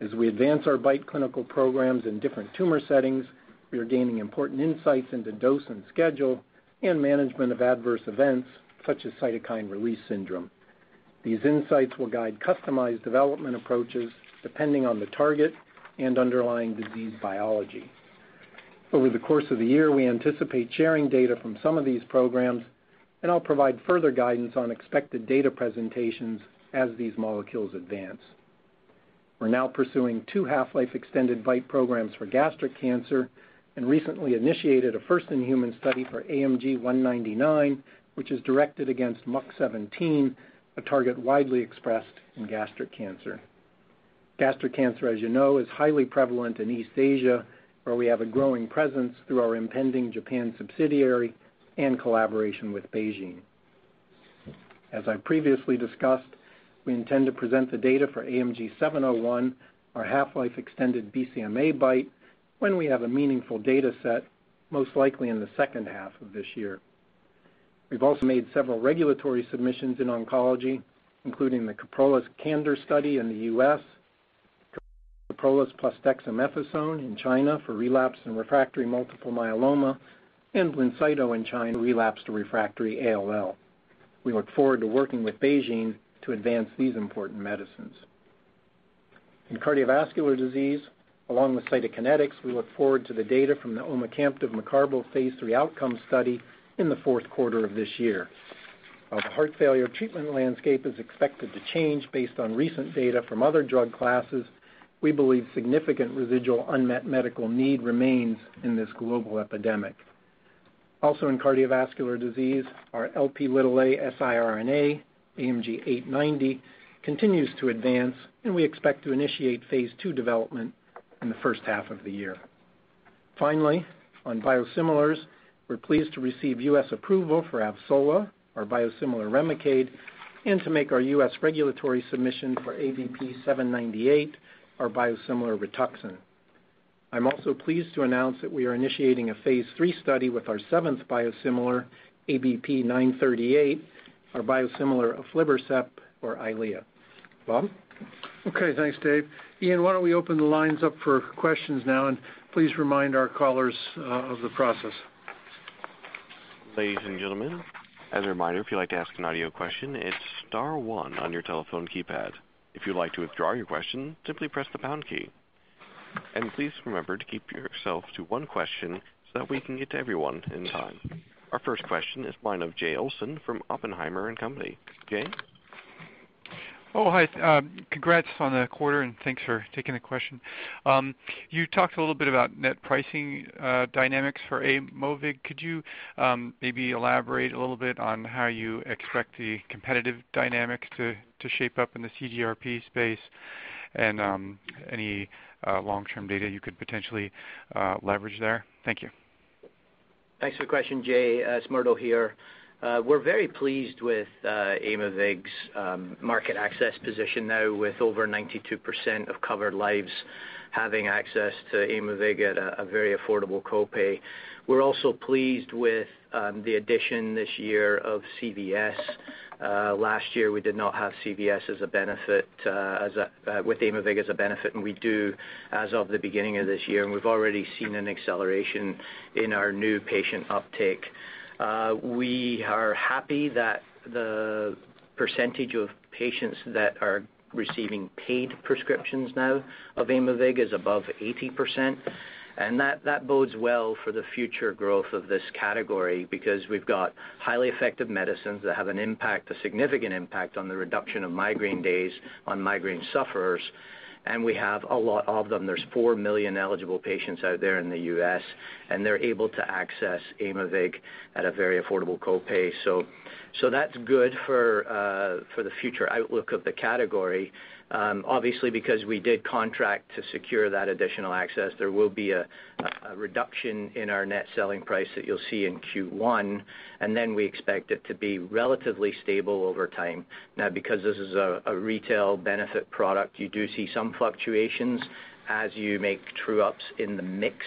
As we advance our BiTE clinical programs in different tumor settings, we are gaining important insights into dose and schedule and management of adverse events such as cytokine release syndrome. These insights will guide customized development approaches depending on the target and underlying disease biology. Over the course of the year, we anticipate sharing data from some of these programs, and I'll provide further guidance on expected data presentations as these molecules advance. We're now pursuing two half-life extended BiTE programs for gastric cancer and recently initiated a first-in-human study for AMG 199, which is directed against MUC17, a target widely expressed in gastric cancer. Gastric cancer, as you know, is highly prevalent in East Asia, where we have a growing presence through our impending Japan subsidiary and collaboration with BeiGene. As I previously discussed, we intend to present the data for AMG 701, our half-life extended BCMA BiTE, when we have a meaningful data set, most likely in the second half of this year. We've also made several regulatory submissions in oncology, including the KYPROLIS CANDOR study in the U.S., KYPROLIS plus dexamethasone in China for relapsed and refractory multiple myeloma, and BLINCYTO in China, relapsed to refractory ALL. We look forward to working with BeiGene to advance these important medicines. In cardiovascular disease, along with Cytokinetics, we look forward to the data from the omecamtiv mecarbil phase III outcome study in the fourth quarter of this year. While the heart failure treatment landscape is expected to change based on recent data from other drug classes, we believe significant residual unmet medical need remains in this global epidemic. Also, in cardiovascular disease, our Lp siRNA, AMG 890, continues to advance, and we expect to initiate phase II development in the first half of the year. Finally, on biosimilars, we're pleased to receive U.S. approval for AVSOLA, our biosimilar Remicade, and to make our U.S. regulatory submission for ABP 798, our biosimilar Rituxan. I'm also pleased to announce that we are initiating a phase III study with our seventh biosimilar, ABP 938, our biosimilar aflibercept or EYLEA. Bob? Okay. Thanks, Dave. Arvind, why don't we open the lines up for questions now, and please remind our callers of the process. Ladies and gentlemen, as a reminder, if you'd like to ask an audio question, it's star one on your telephone keypad. If you'd like to withdraw your question, simply press the pound key. Please remember to keep yourself to one question so that we can get to everyone in time. Our first question is Jay Olson from Oppenheimer & Co. Jay? Hi. Congrats on the quarter, thanks for taking the question. You talked a little bit about net pricing dynamics for Aimovig. Could you maybe elaborate a little bit on how you expect the competitive dynamics to shape up in the CGRP space and any long-term data you could potentially leverage there? Thank you. Thanks for the question, Jay. It's Murdo here. We're very pleased with Aimovig's market access position now with over 92% of covered lives having access to Aimovig at a very affordable copay. We're also pleased with the addition this year of CVS. Last year, we did not have CVS with Aimovig as a benefit, and we do as of the beginning of this year, and we've already seen an acceleration in our new patient uptake. We are happy that the percentage of patients that are receiving paid prescriptions now of Aimovig is above 80%, and that bodes well for the future growth of this category because we've got highly effective medicines that have a significant impact on the reduction of migraine days on migraine sufferers, and we have a lot of them. There's 4 million eligible patients out there in the U.S., and they're able to access Aimovig at a very affordable copay. That's good for the future outlook of the category. Obviously, because we did contract to secure that additional access, there will be a reduction in our net selling price that you'll see in Q1, and then we expect it to be relatively stable over time. Because this is a retail benefit product, you do see some fluctuations. As you make true-ups in the mix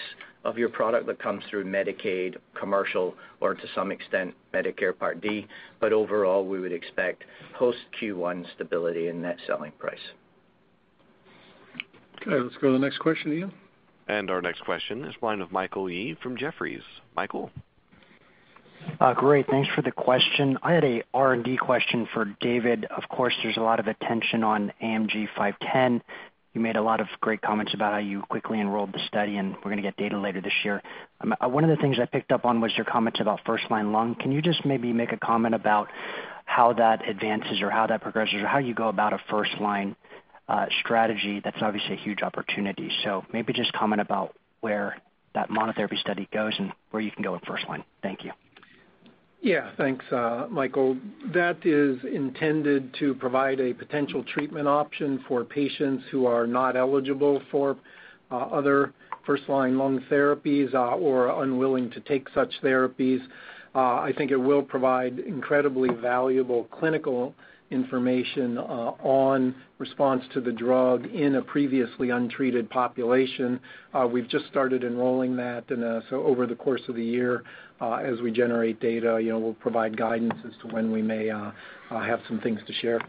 of your product that comes through Medicaid, commercial, or to some extent, Medicare Part D. Overall, we would expect post Q1 stability in net selling price. Okay, let's go to the next question, Ian. Our next question is line of Michael Yee from Jefferies. Michael? Great. Thanks for the question. I had a R&D question for David. Of course, there's a lot of attention on AMG 510. You made a lot of great comments about how you quickly enrolled the study, and we're going to get data later this year. One of the things I picked up on was your comments about first-line lung. Can you just maybe make a comment about how that advances or how that progresses, or how you go about a first-line strategy? That's obviously a huge opportunity. Maybe just comment about where that monotherapy study goes and where you can go with first line. Thank you. Thanks, Michael. That is intended to provide a potential treatment option for patients who are not eligible for other first-line lung therapies or are unwilling to take such therapies. I think it will provide incredibly valuable clinical information on response to the drug in a previously untreated population. We've just started enrolling that. Over the course of the year, as we generate data, we'll provide guidance as to when we may have some things to share.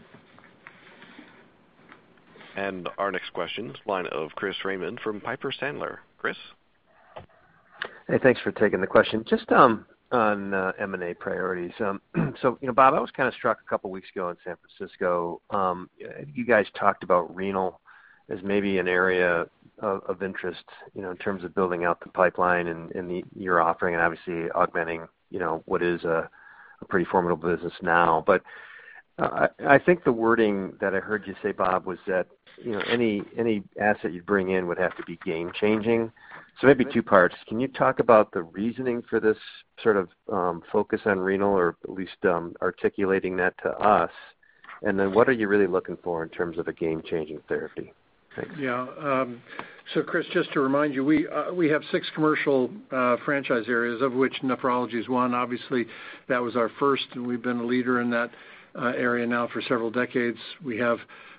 Our next question is line of Chris Raymond from Piper Sandler. Chris? Hey, thanks for taking the question. Just on M&A priorities. Bob, I was kind of struck a couple of weeks ago in San Francisco. You guys talked about renal as maybe an area of interest in terms of building out the pipeline and your offering and obviously augmenting what is a pretty formidable business now. I think the wording that I heard you say, Bob, was that any asset you'd bring in would have to be game-changing. Maybe two parts. Can you talk about the reasoning for this sort of focus on renal, or at least articulating that to us? What are you really looking for in terms of a game-changing therapy? Thanks. Yeah. Chris, just to remind you, we have six commercial franchise areas, of which nephrology is one. Obviously, that was our first, and we've been a leader in that area now for several decades. We have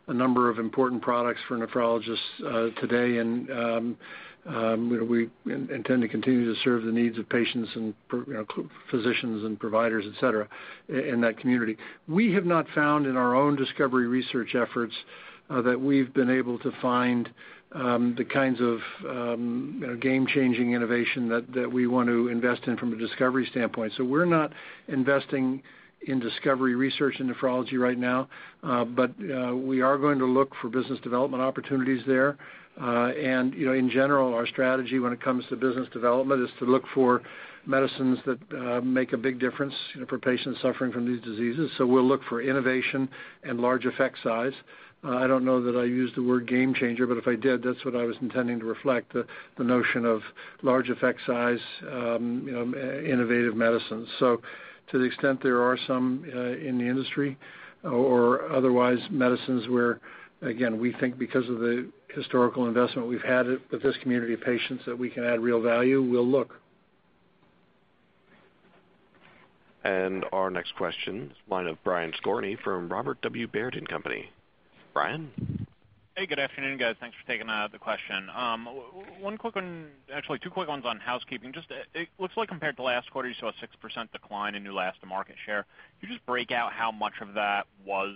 a number of important products for nephrologists today, and we intend to continue to serve the needs of patients and physicians and providers, et cetera, in that community. We have not found in our own discovery research efforts that we've been able to find the kinds of game-changing innovation that we want to invest in from a discovery standpoint. We're not investing in discovery research in nephrology right now. We are going to look for business development opportunities there. In general, our strategy when it comes to business development is to look for medicines that make a big difference for patients suffering from these diseases. We'll look for innovation and large effect size. I don't know that I used the word game-changer, but if I did, that's what I was intending to reflect, the notion of large effect size, innovative medicines. To the extent there are some in the industry or otherwise medicines where, again, we think because of the historical investment we've had with this community of patients that we can add real value, we'll look. Our next question is line of Brian Skorney from Robert W. Baird & Co. Brian? Hey, good afternoon, guys. Thanks for taking the question. One quick one, actually two quick ones on housekeeping. It looks like compared to last quarter, you saw a 6% decline in Neulasta market share. Can you just break out how much of that was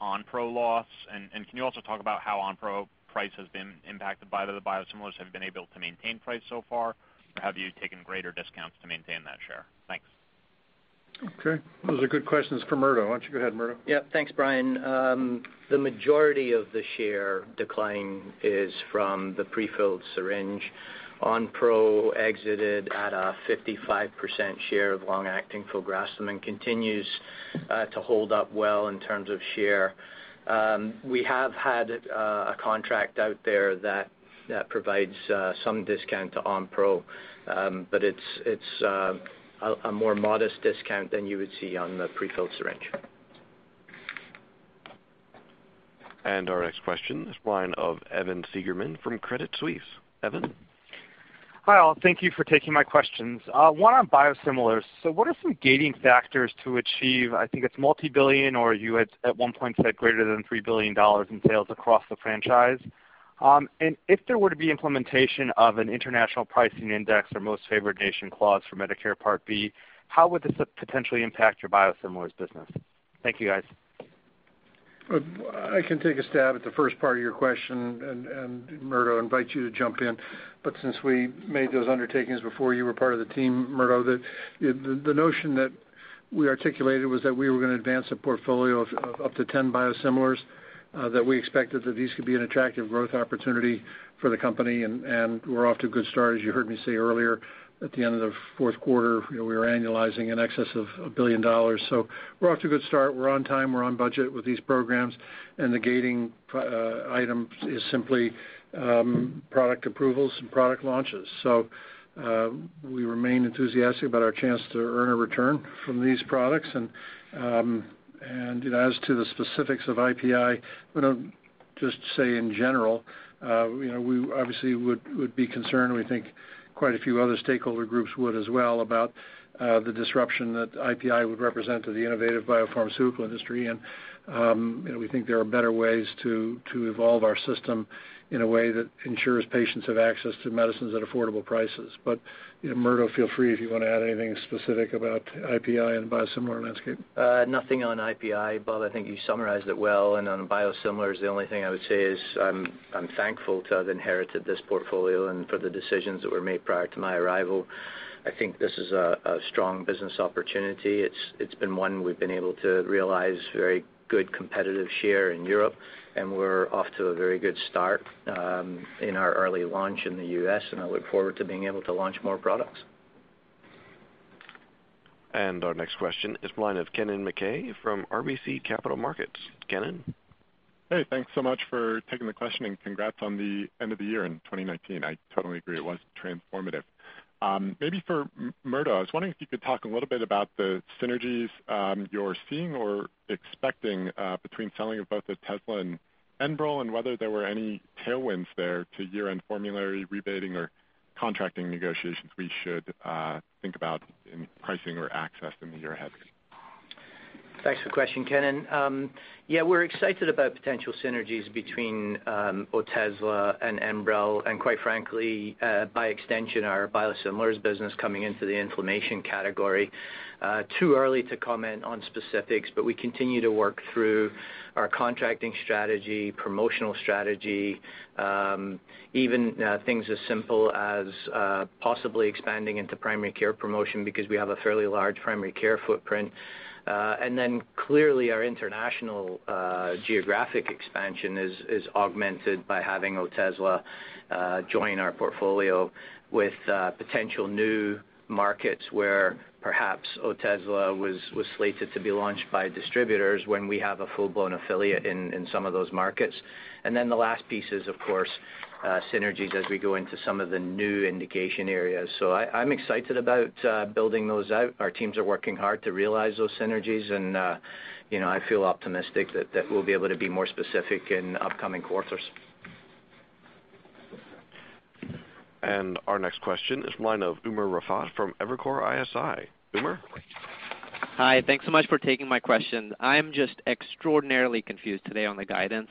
Onpro loss? Can you also talk about how Onpro price has been impacted by the biosimilars? Have you been able to maintain price so far? Have you taken greater discounts to maintain that share? Thanks. Okay. Those are good questions for Murdo. Why don't you go ahead, Murdo? Yeah. Thanks, Brian. The majority of the share decline is from the pre-filled syringe. Onpro exited at a 55% share of long-acting filgrastim and continues to hold up well in terms of share. We have had a contract out there that provides some discount to Onpro, but it's a more modest discount than you would see on the pre-filled syringe. Our next question is the line of Evan Seigerman from Credit Suisse. Evan? Hi, all. Thank you for taking my questions. One on biosimilars. What are some gating factors to achieve, I think it's multi-billion or you at one point said greater than $3 billion in sales across the franchise. If there were to be implementation of an international pricing index or most favored nation clause for Medicare Part B, how would this potentially impact your biosimilars business? Thank you, guys. I can take a stab at the first part of your question, and Murdo, invite you to jump in. Since we made those undertakings before you were part of the team, Murdo, the notion that we articulated was that we were going to advance a portfolio of up to 10 biosimilars, that we expected that these could be an attractive growth opportunity for the company, and we're off to a good start. As you heard me say earlier, at the end of the fourth quarter, we were annualizing in excess of $1 billion. We're off to a good start. We're on time, we're on budget with these programs, and the gating item is simply product approvals and product launches. We remain enthusiastic about our chance to earn a return from these products. As to the specifics of IPI, we don't Just say in general, we obviously would be concerned, we think quite a few other stakeholder groups would as well, about the disruption that IPI would represent to the innovative biopharmaceutical industry. We think there are better ways to evolve our system in a way that ensures patients have access to medicines at affordable prices. Murdo, feel free if you want to add anything specific about IPI and the biosimilar landscape. Nothing on IPI, Bob. I think you summarized it well. On biosimilars, the only thing I would say is I'm thankful to have inherited this portfolio and for the decisions that were made prior to my arrival. I think this is a strong business opportunity. It's been one we've been able to realize very good competitive share in Europe, and we're off to a very good start in our early launch in the U.S., and I look forward to being able to launch more products. Our next question is the line of Kennen MacKay from RBC Capital Markets. Kennen? Hey, thanks so much for taking the question. Congrats on the end of the year in 2019. I totally agree, it was transformative. Maybe for Murdo, I was wondering if you could talk a little bit about the synergies you're seeing or expecting between selling of both Otezla and ENBREL, whether there were any year-end tailwinds there to formulary rebating or contracting negotiations we should think about in pricing or access in the year ahead. Thanks for the question, Kennen. Yeah, we're excited about potential synergies between Otezla and ENBREL, and quite frankly, by extension, our biosimilars business coming into the inflammation category. Too early to comment on specifics, but we continue to work through our contracting strategy, promotional strategy, even things as simple as possibly expanding into primary care promotion because we have a fairly large primary care footprint. Clearly our international geographic expansion is augmented by having Otezla join our portfolio with potential new markets where perhaps Otezla was slated to be launched by distributors when we have a full-blown affiliate in some of those markets. The last piece is, of course, synergies as we go into some of the new indication areas. I'm excited about building those out. Our teams are working hard to realize those synergies. I feel optimistic that we'll be able to be more specific in upcoming quarters. Our next question is from the line of Umer Raffat from Evercore ISI. Umer? Hi. Thanks so much for taking my question. I'm just extraordinarily confused today on the guidance.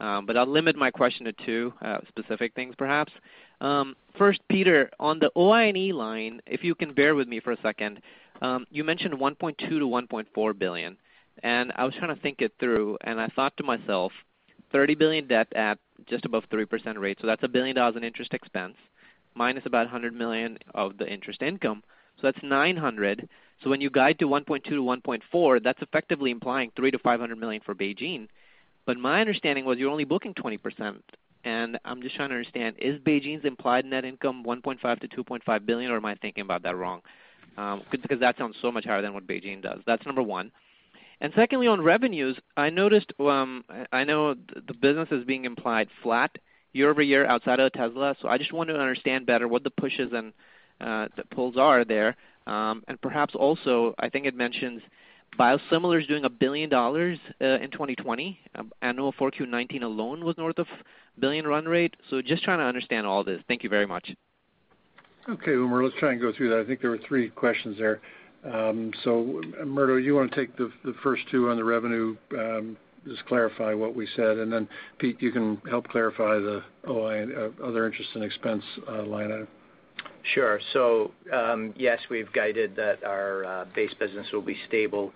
I'll limit my question to two specific things, perhaps. First, Peter, on the OI&E line, if you can bear with me for a second. You mentioned $1.2 billion to $1.4 billion, and I was trying to think it through, and I thought to myself, $30 billion debt at just above 3% rate, so that's $1 billion in interest expense, minus about $100 million of the interest income, so that's $900 million. When you guide to $1.2 billion to $1.4 billion, that's effectively implying $300 million to $500 million for BeiGene. My understanding was you're only booking 20%, and I'm just trying to understand, is BeiGene's implied net income $1.5 billion to $2.5 billion, or am I thinking about that wrong? That sounds so much higher than what BeiGene does. That's number one. Secondly, on revenues, I noticed the business is being implied flat year-over-year outside of Otezla. I just want to understand better what the pushes and the pulls are there. Perhaps also, I think it mentions biosimilars doing $1 billion in 2020. Annual four Q 2019 alone was north of $1 billion run rate. Just trying to understand all this. Thank you very much. Umer, let's try and go through that. I think there were three questions there. Murdo, you want to take the first two on the revenue, just clarify what we said, and then Pete, you can help clarify the OI, other interest and expense line item. Sure. Yes, we've guided that our base business will be stable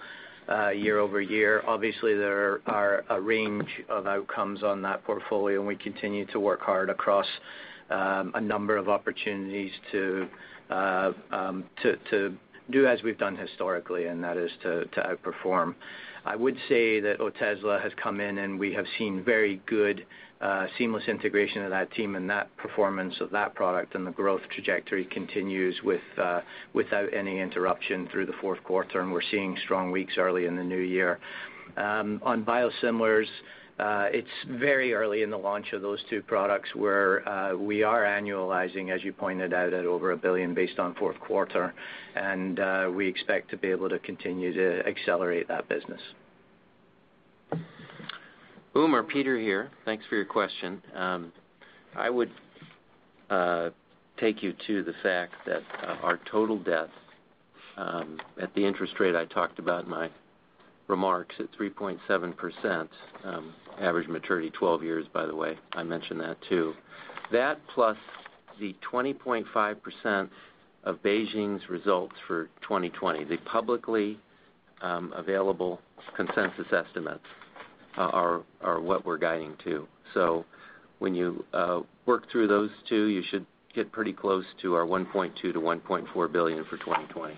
year-over-year. Obviously, there are a range of outcomes on that portfolio, and we continue to work hard across a number of opportunities to do as we've done historically, and that is to outperform. I would say that Otezla has come in, and we have seen very good seamless integration of that team and that performance of that product, and the growth trajectory continues without any interruption through the fourth quarter, and we're seeing strong weeks early in the new year. On biosimilars, it's very early in the launch of those two products where we are annualizing, as you pointed out, at over $1 billion based on fourth quarter, and we expect to be able to continue to accelerate that business. Umer, Peter here. Thanks for your question. I would take you to the fact that our total debt at the interest rate I talked about in my remarks at 3.7%, average maturity 12 years, by the way, I mentioned that, too. That plus the 20.5% of BeiGene's results for 2020, the publicly available consensus estimates are what we're guiding to. When you work through those two, you should get pretty close to our $1.2 billion-$1.4 billion for 2020.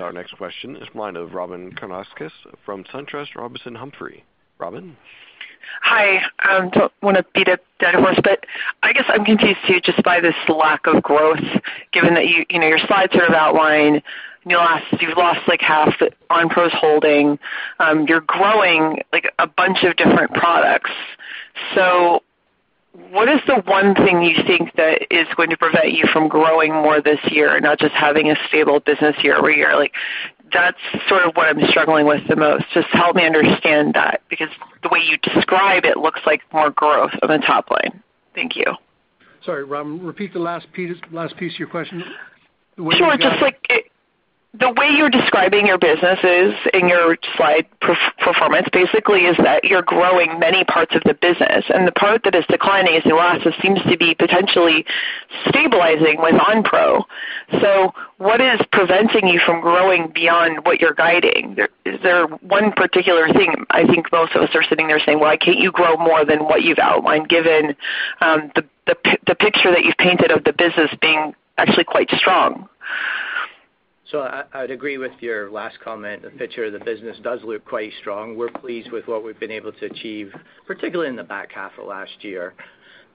Our next question is the line of Robyn Karnauskas from SunTrust Robinson Humphrey. Robyn? Hi. Don't want to beat a dead horse, I guess I'm confused too just by this lack of growth, given that your slides sort of outline you've lost half of Onpro's holding. You're growing a bunch of different products. What is the one thing you think that is going to prevent you from growing more this year and not just having a stable business year-over-year? That's sort of what I'm struggling with the most, just help me understand that, because the way you describe it looks like more growth on the top line. Thank you. Sorry, Robyn. Repeat the last piece to your question. Sure. Just the way you're describing your businesses and your slide performance basically, is that you're growing many parts of the business, and the part that is declining is Neulasta seems to be potentially stabilizing with Onpro. What is preventing you from growing beyond what you're guiding? Is there one particular thing? I think most of us are sitting there saying, "Why can't you grow more than what you've outlined?" Given the picture that you've painted of the business being actually quite strong. I'd agree with your last comment. The picture of the business does look quite strong. We're pleased with what we've been able to achieve, particularly in the back half of last year.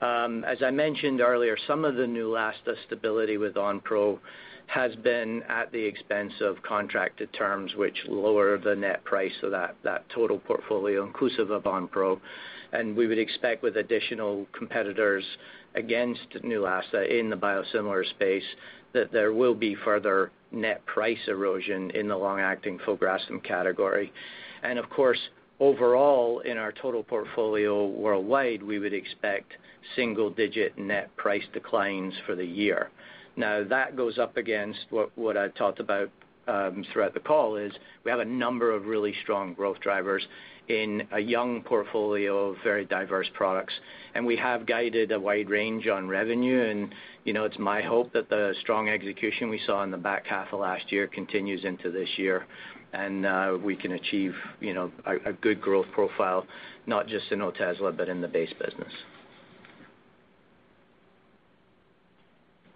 As I mentioned earlier, some of the Neulasta stability with Onpro has been at the expense of contracted terms, which lower the net price of that total portfolio inclusive of Onpro. We would expect with additional competitors against Neulasta in the biosimilar space that there will be further net price erosion in the long-acting filgrastim category. Of course, overall in our total portfolio worldwide, we would expect single-digit net price declines for the year. That goes up against what I've talked about throughout the call is we have a number of really strong growth drivers in a young portfolio of very diverse products, and we have guided a wide range on revenue. It's my hope that the strong execution we saw in the back half of last year continues into this year and we can achieve a good growth profile, not just in Otezla, but in the base business.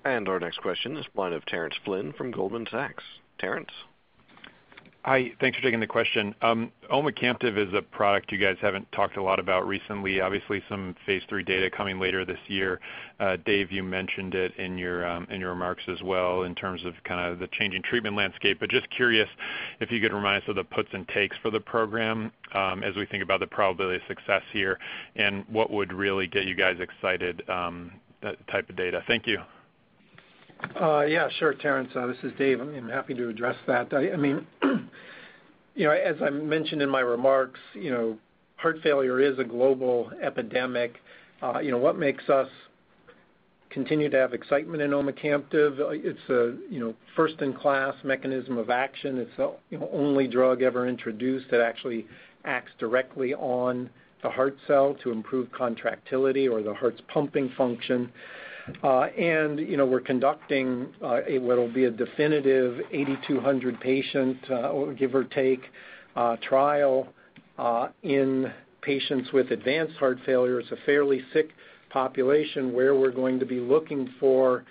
Our next question is the line of Terence Flynn from Goldman Sachs. Terence. Hi. Thanks for taking the question. omecamtiv is a product you guys haven't talked a lot about recently. Obviously, some phase III data coming later this year. Dave, you mentioned it in your remarks as well in terms of kind of the changing treatment landscape. Just curious if you could remind us of the puts and takes for the program as we think about the probability of success here and what would really get you guys excited, that type of data. Thank you. Sure, Terence. This is Dave. I'm happy to address that. As I mentioned in my remarks, heart failure is a global epidemic. What makes us continue to have excitement in omecamtiv? It's a first-in-class mechanism of action. It's the only drug ever introduced that actually acts directly on the heart cell to improve contractility or the heart's pumping function. We're conducting what'll be a definitive 8,200 patient, give or take, trial in patients with advanced heart failure. It's a fairly sick population where we're going to be looking for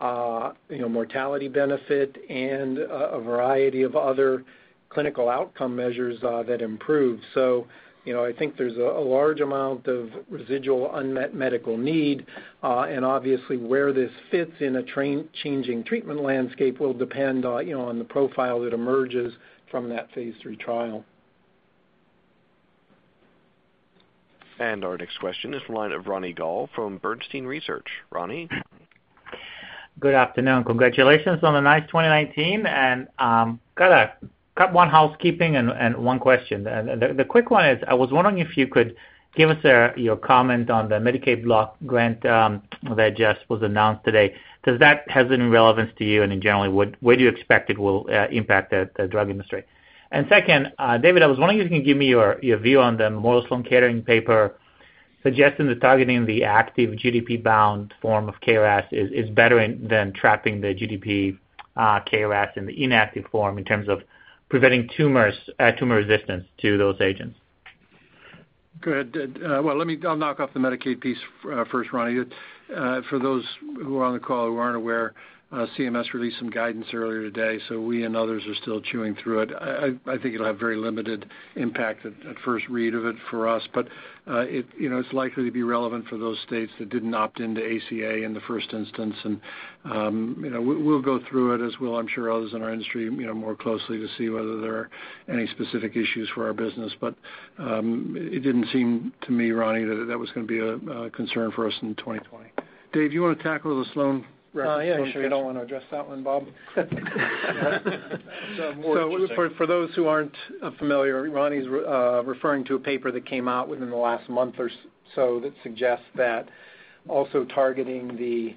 mortality benefit and a variety of other clinical outcome measures that improve. I think there's a large amount of residual unmet medical need. Obviously where this fits in a changing treatment landscape will depend on the profile that emerges from that phase III trial. Our next question is the line of Ronny Gal from Bernstein Research. Ronny. Good afternoon. Congratulations on a nice 2019. Got one housekeeping and one question. The quick one is, I was wondering if you could give us your comment on the Medicaid block grant that just was announced today. Does that have any relevance to you? Generally, where do you expect it will impact the drug industry? Second, David, I was wondering if you can give me your view on the Memorial Sloan Kettering paper suggesting that targeting the active GDP-bound form of KRAS is better than trapping the GDP KRAS in the inactive form in terms of preventing tumor resistance to those agents. Good. Well, I'll knock off the Medicaid piece first, Ronny. For those who are on the call who aren't aware, CMS released some guidance earlier today, so we and others are still chewing through it. I think it'll have very limited impact at first read of it for us. It's likely to be relevant for those states that didn't opt into ACA in the first instance. We'll go through it as will, I'm sure, others in our industry more closely to see whether there are any specific issues for our business. It didn't seem to me, Ronny, that that was going to be a concern for us in 2020. Dave, do you want to tackle the Sloan reference? Yeah, you sure you don't want to address that one, Bob? It's more interesting. For those who aren't familiar, Ronny's referring to a paper that came out within the last month or so that suggests that also targeting the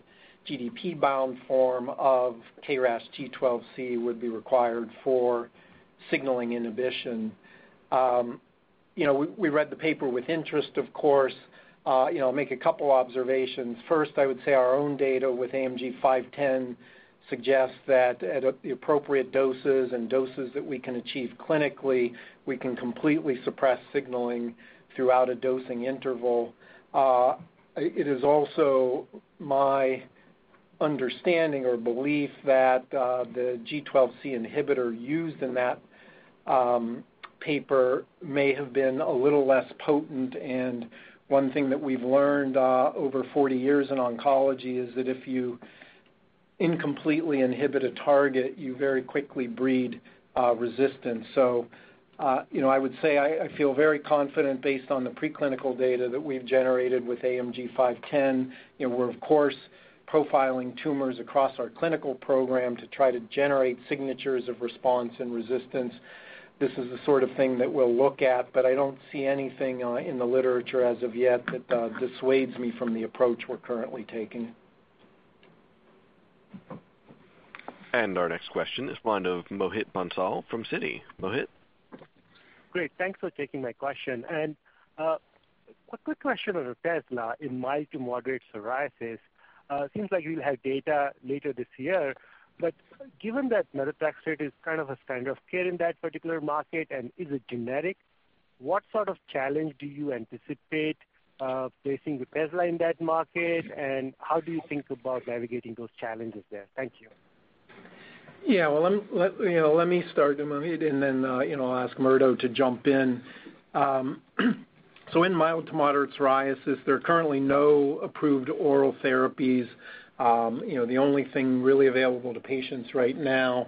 GDP-bound form of KRAS G12C would be required for signaling inhibition. We read the paper with interest, of course. I'll make a couple observations. First, I would say our own data with AMG 510 suggests that at the appropriate doses and doses that we can achieve clinically, we can completely suppress signaling throughout a dosing interval. It is also my understanding or belief that the G12C inhibitor used in that paper may have been a little less potent, and one thing that we've learned over 40 years in oncology is that if you incompletely inhibit a target, you very quickly breed resistance. I would say I feel very confident based on the preclinical data that we've generated with AMG 510. We're, of course, profiling tumors across our clinical program to try to generate signatures of response and resistance. This is the sort of thing that we'll look at, but I don't see anything in the literature as of yet that dissuades me from the approach we're currently taking. Our next question is the line of Mohit Bansal from Citi. Mohit? Great. Thanks for taking my question. A quick question on Otezla in mild to moderate psoriasis. Seems like you'll have data later this year, but given that methotrexate is kind of a standard of care in that particular market and is a generic, what sort of challenge do you anticipate placing Otezla in that market? How do you think about navigating those challenges there? Thank you. Let me start, Mohit, and then I'll ask Murdo to jump in. In mild to moderate psoriasis, there are currently no approved oral therapies. The only thing really available to patients right now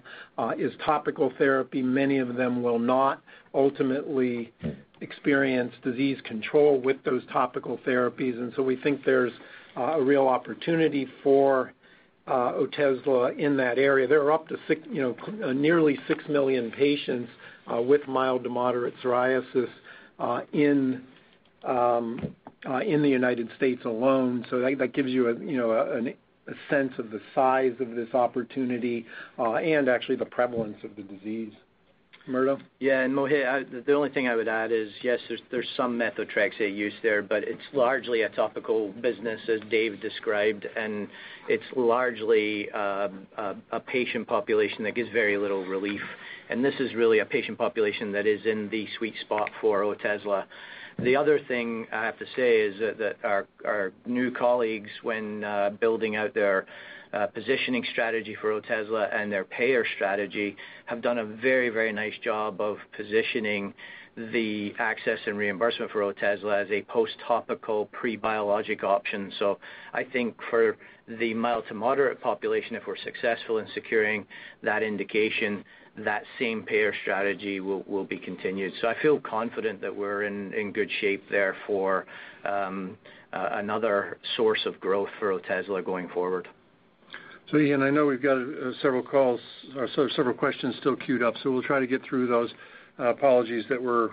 is topical therapy. Many of them will not ultimately experience disease control with those topical therapies, we think there's a real opportunity for Otezla in that area. There are up to nearly 6 million patients with mild to moderate psoriasis in the U.S. alone. That gives you a sense of the size of this opportunity, and actually the prevalence of the disease. Murdo? Mohit, the only thing I would add is, yes, there's some methotrexate use there, but it's largely a topical business as Dave described, and it's largely a patient population that gives very little relief, and this is really a patient population that is in the sweet spot for Otezla. The other thing I have to say is that our new colleagues, when building out their positioning strategy for Otezla and their payer strategy, have done a very, very nice job of positioning the access and reimbursement for Otezla as a post topical pre-biologic option. I feel confident that we're in good shape there for another source of growth for Otezla going forward. Ian, I know we've got several questions still queued up, so we'll try to get through those. Apologies that we're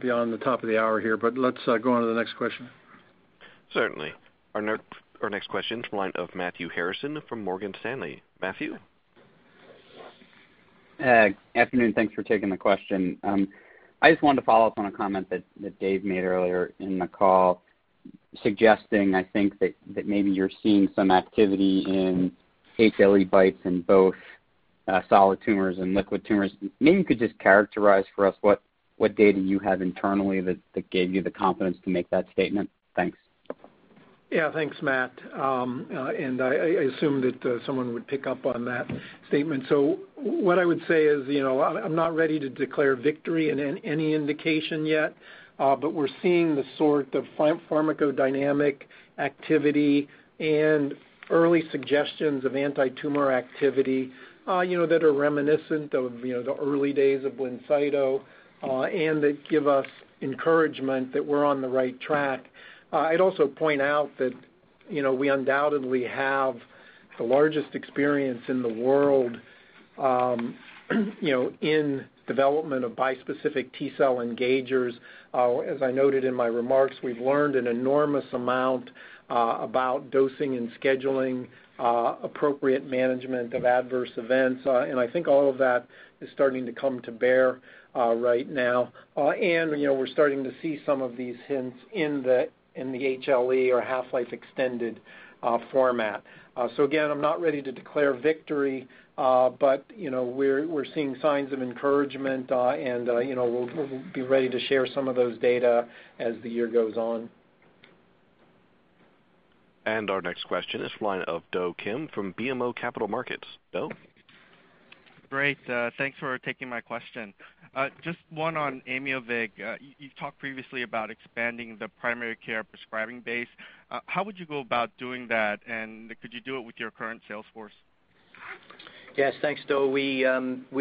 beyond the top of the hour here, let's go on to the next question. Certainly. Our next question is the line of Matthew Harrison from Morgan Stanley. Matthew? Afternoon, thanks for taking the question. I just wanted to follow up on a comment that Dave made earlier in the call suggesting, I think that maybe you're seeing some activity in HLE BiTEs in both solid tumors and liquid tumors. Maybe you could just characterize for us what data you have internally that gave you the confidence to make that statement. Thanks. Yeah. Thanks, Matt. I assumed that someone would pick up on that statement. What I would say is, I'm not ready to declare victory in any indication yet, but we're seeing the sort of pharmacodynamic activity and early suggestions of anti-tumor activity that are reminiscent of the early days of BLINCYTO, and that give us encouragement that we're on the right track. I'd also point out that we undoubtedly have the largest experience in the world in development of bispecific T-cell engagers. As I noted in my remarks, we've learned an enormous amount about dosing and scheduling, appropriate management of adverse events. I think all of that is starting to come to bear right now. We're starting to see some of these hints in the HLE or half-life extended format. Again, I'm not ready to declare victory, but we're seeing signs of encouragement, and we'll be ready to share some of those data as the year goes on. Our next question is the line of Do Kim from BMO Capital Markets. Do? Great. Thanks for taking my question. Just one on Aimovig. You talked previously about expanding the primary care prescribing base. How would you go about doing that, and could you do it with your current sales force? Yes. Thanks, Do. We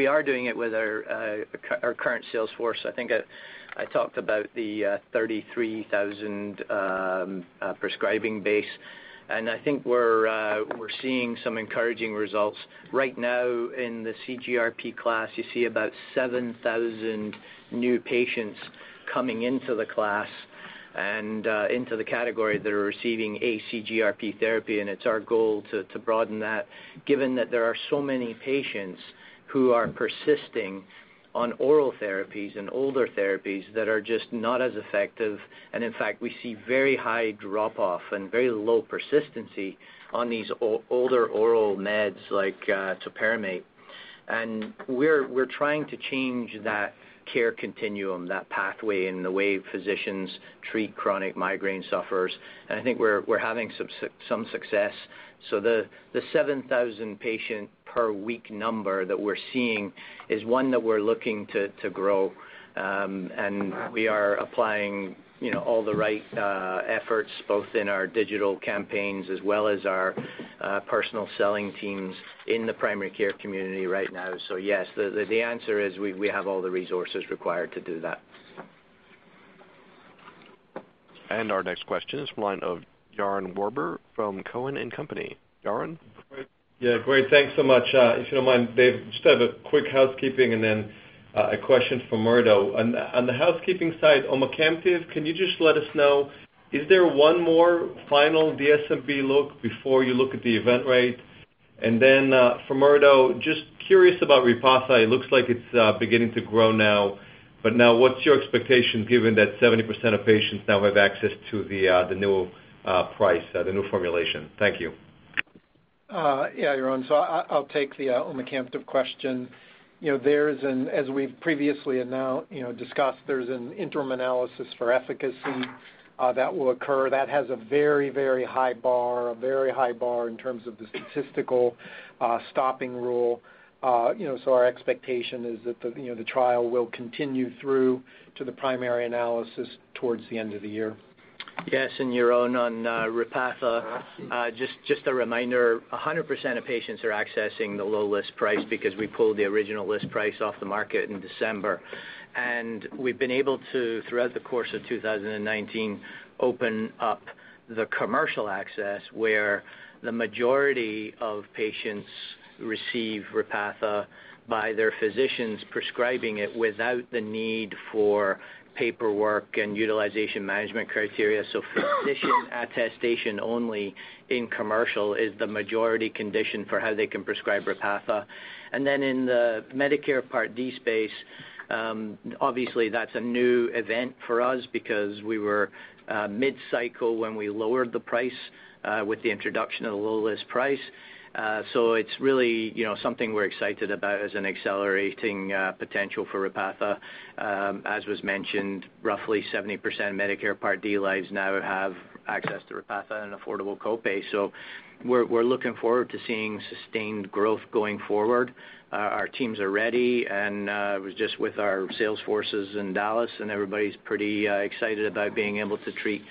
are doing it with our current sales force. I think I talked about the 33,000 prescribing base, and I think we're seeing some encouraging results. Right now in the CGRP class, you see about 7,000 new patients coming into the class and into the category that are receiving a CGRP therapy, and it's our goal to broaden that, given that there are so many patients who are persisting on oral therapies and older therapies that are just not as effective. In fact, we see very high drop-off and very low persistency on these older oral meds like topiramate. We're trying to change that care continuum, that pathway, and the way physicians treat chronic migraine sufferers. I think we're having some success. The 7,000 patient per week number that we're seeing is one that we're looking to grow. We are applying all the right efforts, both in our digital campaigns as well as our personal selling teams in the primary care community right now. Yes, the answer is, we have all the resources required to do that. Our next question is from the line of Yaron Werber from Cowen and Company. Yaron? Great. Thanks so much. If you don't mind, Dave, just have a quick housekeeping and then a question for Murdo. On the housekeeping side, omecamtiv, can you just let us know, is there one more final DSMB look before you look at the event rate? For Murdo, just curious about Repatha. It looks like it's beginning to grow now, but now what's your expectation given that 70% of patients now have access to the new price, the new formulation? Thank you. Yeah, Yaron. I'll take the omecamtiv question. As we've previously discussed, there's an interim analysis for efficacy that will occur. That has a very high bar in terms of the statistical stopping rule. Our expectation is that the trial will continue through to the primary analysis towards the end of the year. Yes, Yaron, on Repatha, just a reminder, 100% of patients are accessing the low list price because we pulled the original list price off the market in December. We've been able to, throughout the course of 2019, open up the commercial access, where the majority of patients receive Repatha by their physicians prescribing it without the need for paperwork and utilization management criteria. Physician attestation only in commercial is the majority condition for how they can prescribe Repatha. In the Medicare Part D space, obviously that's a new event for us because we were mid-cycle when we lowered the price with the introduction of the low list price. It's really something we're excited about as an accelerating potential for Repatha. As was mentioned, roughly 70% of Medicare Part D lives now have access to Repatha and affordable copay. We're looking forward to seeing sustained growth going forward. Our teams are ready. I was just with our sales forces in Dallas, and everybody's pretty excited about being able to treat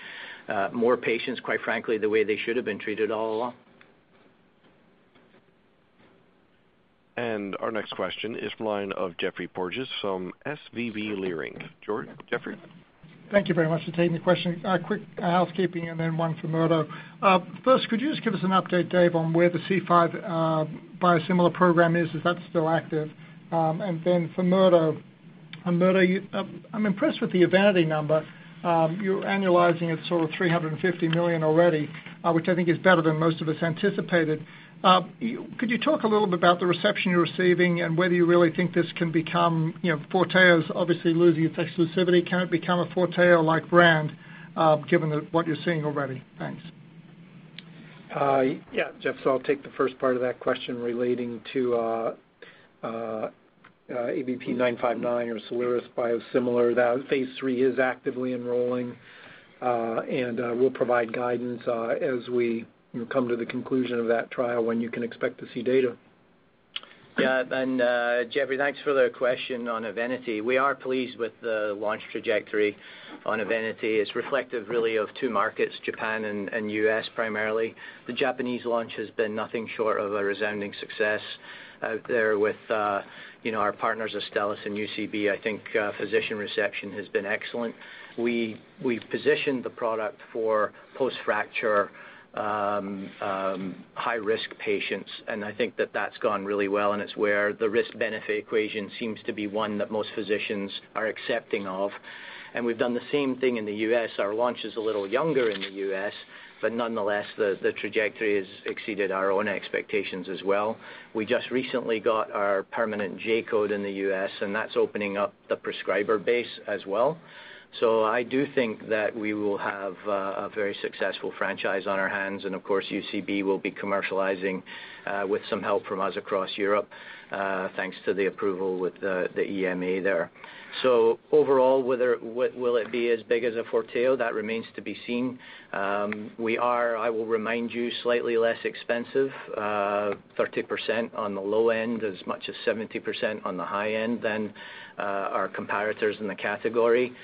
more patients, quite frankly, the way they should have been treated all along. Our next question is from the line of Geoffrey Porges from SVB Leerink. Geoffrey? Thank you very much for taking the question. A quick housekeeping and then one for Murdo. First, could you just give us an update, Dave, on where the C5 biosimilar program is? Is that still active? For Murdo, I'm impressed with the EVENITY number. You're annualizing at sort of $350 million already, which I think is better than most of us anticipated. Could you talk a little bit about the reception you're receiving and whether you really think this can become. FORTEO's obviously losing its exclusivity. Can it become a FORTEO-like brand given what you're seeing already? Thanks. Jeff, I'll take the first part of that question relating to ABP 959 or SOLIRIS biosimilar. That phase III is actively enrolling, and we'll provide guidance as we come to the conclusion of that trial when you can expect to see data. Yeah. Geoffrey, thanks for the question on EVENITY. We are pleased with the launch trajectory on EVENITY. It's reflective really of two markets, Japan and U.S. primarily. The Japanese launch has been nothing short of a resounding success out there with our partners, Astellas and UCB. I think physician reception has been excellent. We've positioned the product for post-fracture high-risk patients, and I think that that's gone really well, and it's where the risk-benefit equation seems to be one that most physicians are accepting of. We've done the same thing in the U.S. Our launch is a little younger in the U.S., but nonetheless, the trajectory has exceeded our own expectations as well. We just recently got our permanent J-code in the U.S., and that's opening up the prescriber base as well. I do think that we will have a very successful franchise on our hands, and of course, UCB will be commercializing with some help from us across Europe, thanks to the approval with the EMA there. Overall, will it be as big as a Forteo? That remains to be seen. We are, I will remind you, slightly less expensive, 30% on the low end, as much as 70% on the high end than our comparators in the category.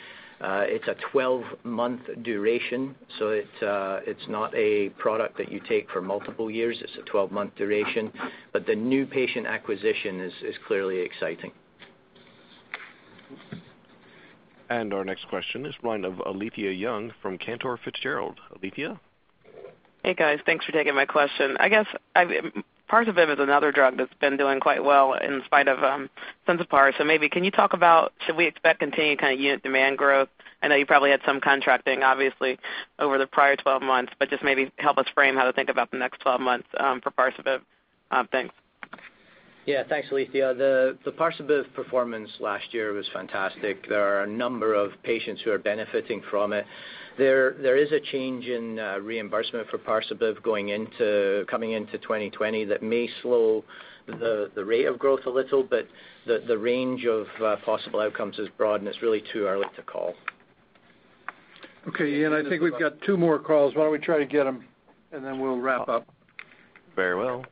It's a 12-month duration, so it's not a product that you take for multiple years. It's a 12-month duration. The new patient acquisition is clearly exciting. Our next question is from the line of Alethia Young from Cantor Fitzgerald. Alethia? Hey, guys. Thanks for taking my question. I guess Parsabiv is another drug that's been doing quite well in spite of Sensipar. Maybe can you talk about should we expect continued kind of unit demand growth? I know you probably had some contracting obviously over the prior 12 months, but just maybe help us frame how to think about the next 12 months for Parsabiv. Thanks. Yeah. Thanks, Alethia. The Parsabiv performance last year was fantastic. There are a number of patients who are benefiting from it. There is a change in reimbursement for Parsabiv coming into 2020 that may slow the rate of growth a little, but the range of possible outcomes is broad, and it's really too early to call. Okay. Yeah. I think we've got two more calls. Why don't we try to get them, and then we'll wrap up. Very well.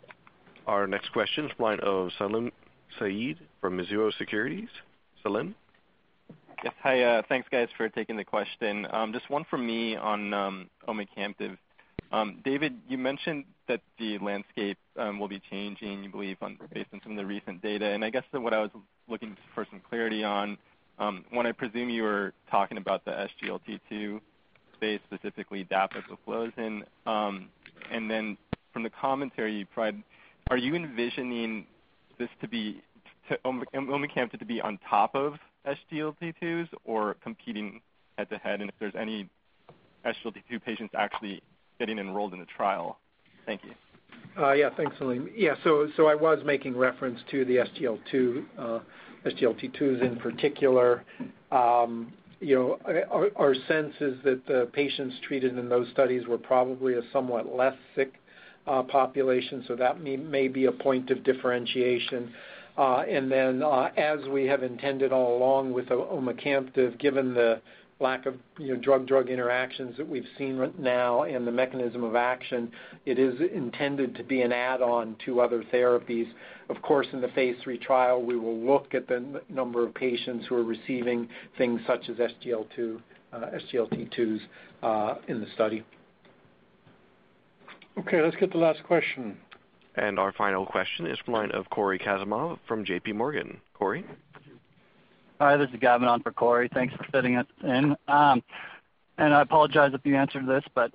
Our next question is from the line of Salim Syed from Mizuho Securities. Salim? Yes. Hi. Thanks, guys, for taking the question. Just one from me on omecamtiv. David, you mentioned that the landscape will be changing, you believe, based on some of the recent data. I guess what I was looking for some clarity on, one, I presume you were talking about the SGLT2 space, specifically dapagliflozin. Then from the commentary you provided, are you envisioning omecamtiv to be on top of SGLT2s or competing head-to-head, and if there's any SGLT2 patients actually getting enrolled in a trial? Thank you. Yeah, thanks, Salim. I was making reference to the SGLT2s in particular. Our sense is that the patients treated in those studies were probably a somewhat less sick population, so that may be a point of differentiation. As we have intended all along with omecamtiv, given the lack of drug-drug interactions that we've seen now and the mechanism of action, it is intended to be an add-on to other therapies. Of course, in the phase III trial, we will look at the number of patients who are receiving things such as SGLT2s in the study. Okay, let's get the last question. Our final question is from the line of Cory Kasimov from JPMorgan. Cory? Hi, this is Gavin on for Cory. Thanks for fitting us in. I apologize if you answered this, but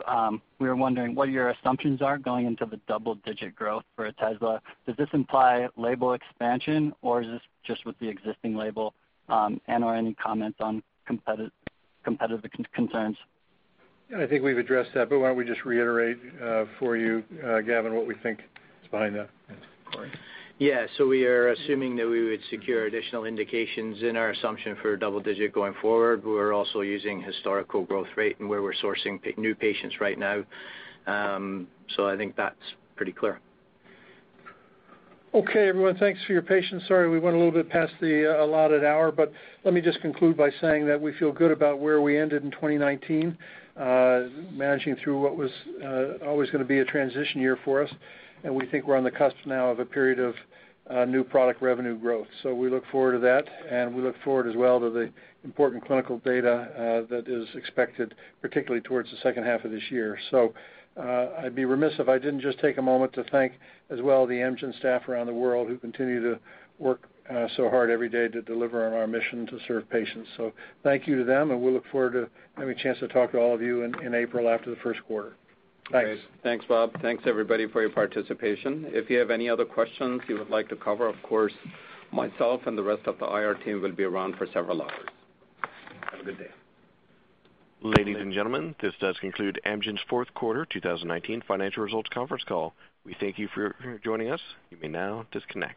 we were wondering what your assumptions are going into the double-digit growth for Otezla. Does this imply label expansion, or is this just with the existing label? Any comments on competitive concerns? I think we've addressed that, but why don't we just reiterate for you, Gavin, what we think is behind that? Cory. Yeah, we are assuming that we would secure additional indications in our assumption for double-digit going forward. We're also using historical growth rate and where we're sourcing new patients right now. I think that's pretty clear. Okay, everyone. Thanks for your patience. Sorry we went a little bit past the allotted hour. Let me just conclude by saying that we feel good about where we ended in 2019. Managing through what was always going to be a transition year for us, we think we're on the cusp now of a period of new product revenue growth. We look forward to that. We look forward as well to the important clinical data that is expected, particularly towards the second half of this year. I'd be remiss if I didn't just take a moment to thank as well the Amgen staff around the world who continue to work so hard every day to deliver on our mission to serve patients. Thank you to them, and we look forward to having a chance to talk to all of you in April after the first quarter. Thanks. Thanks, Bob. Thanks, everybody, for your participation. If you have any other questions you would like to cover, of course, myself and the rest of the IR team will be around for several hours. Have a good day. Ladies and gentlemen, this does conclude Amgen's fourth quarter 2019 financial results conference call. We thank you for joining us. You may now disconnect.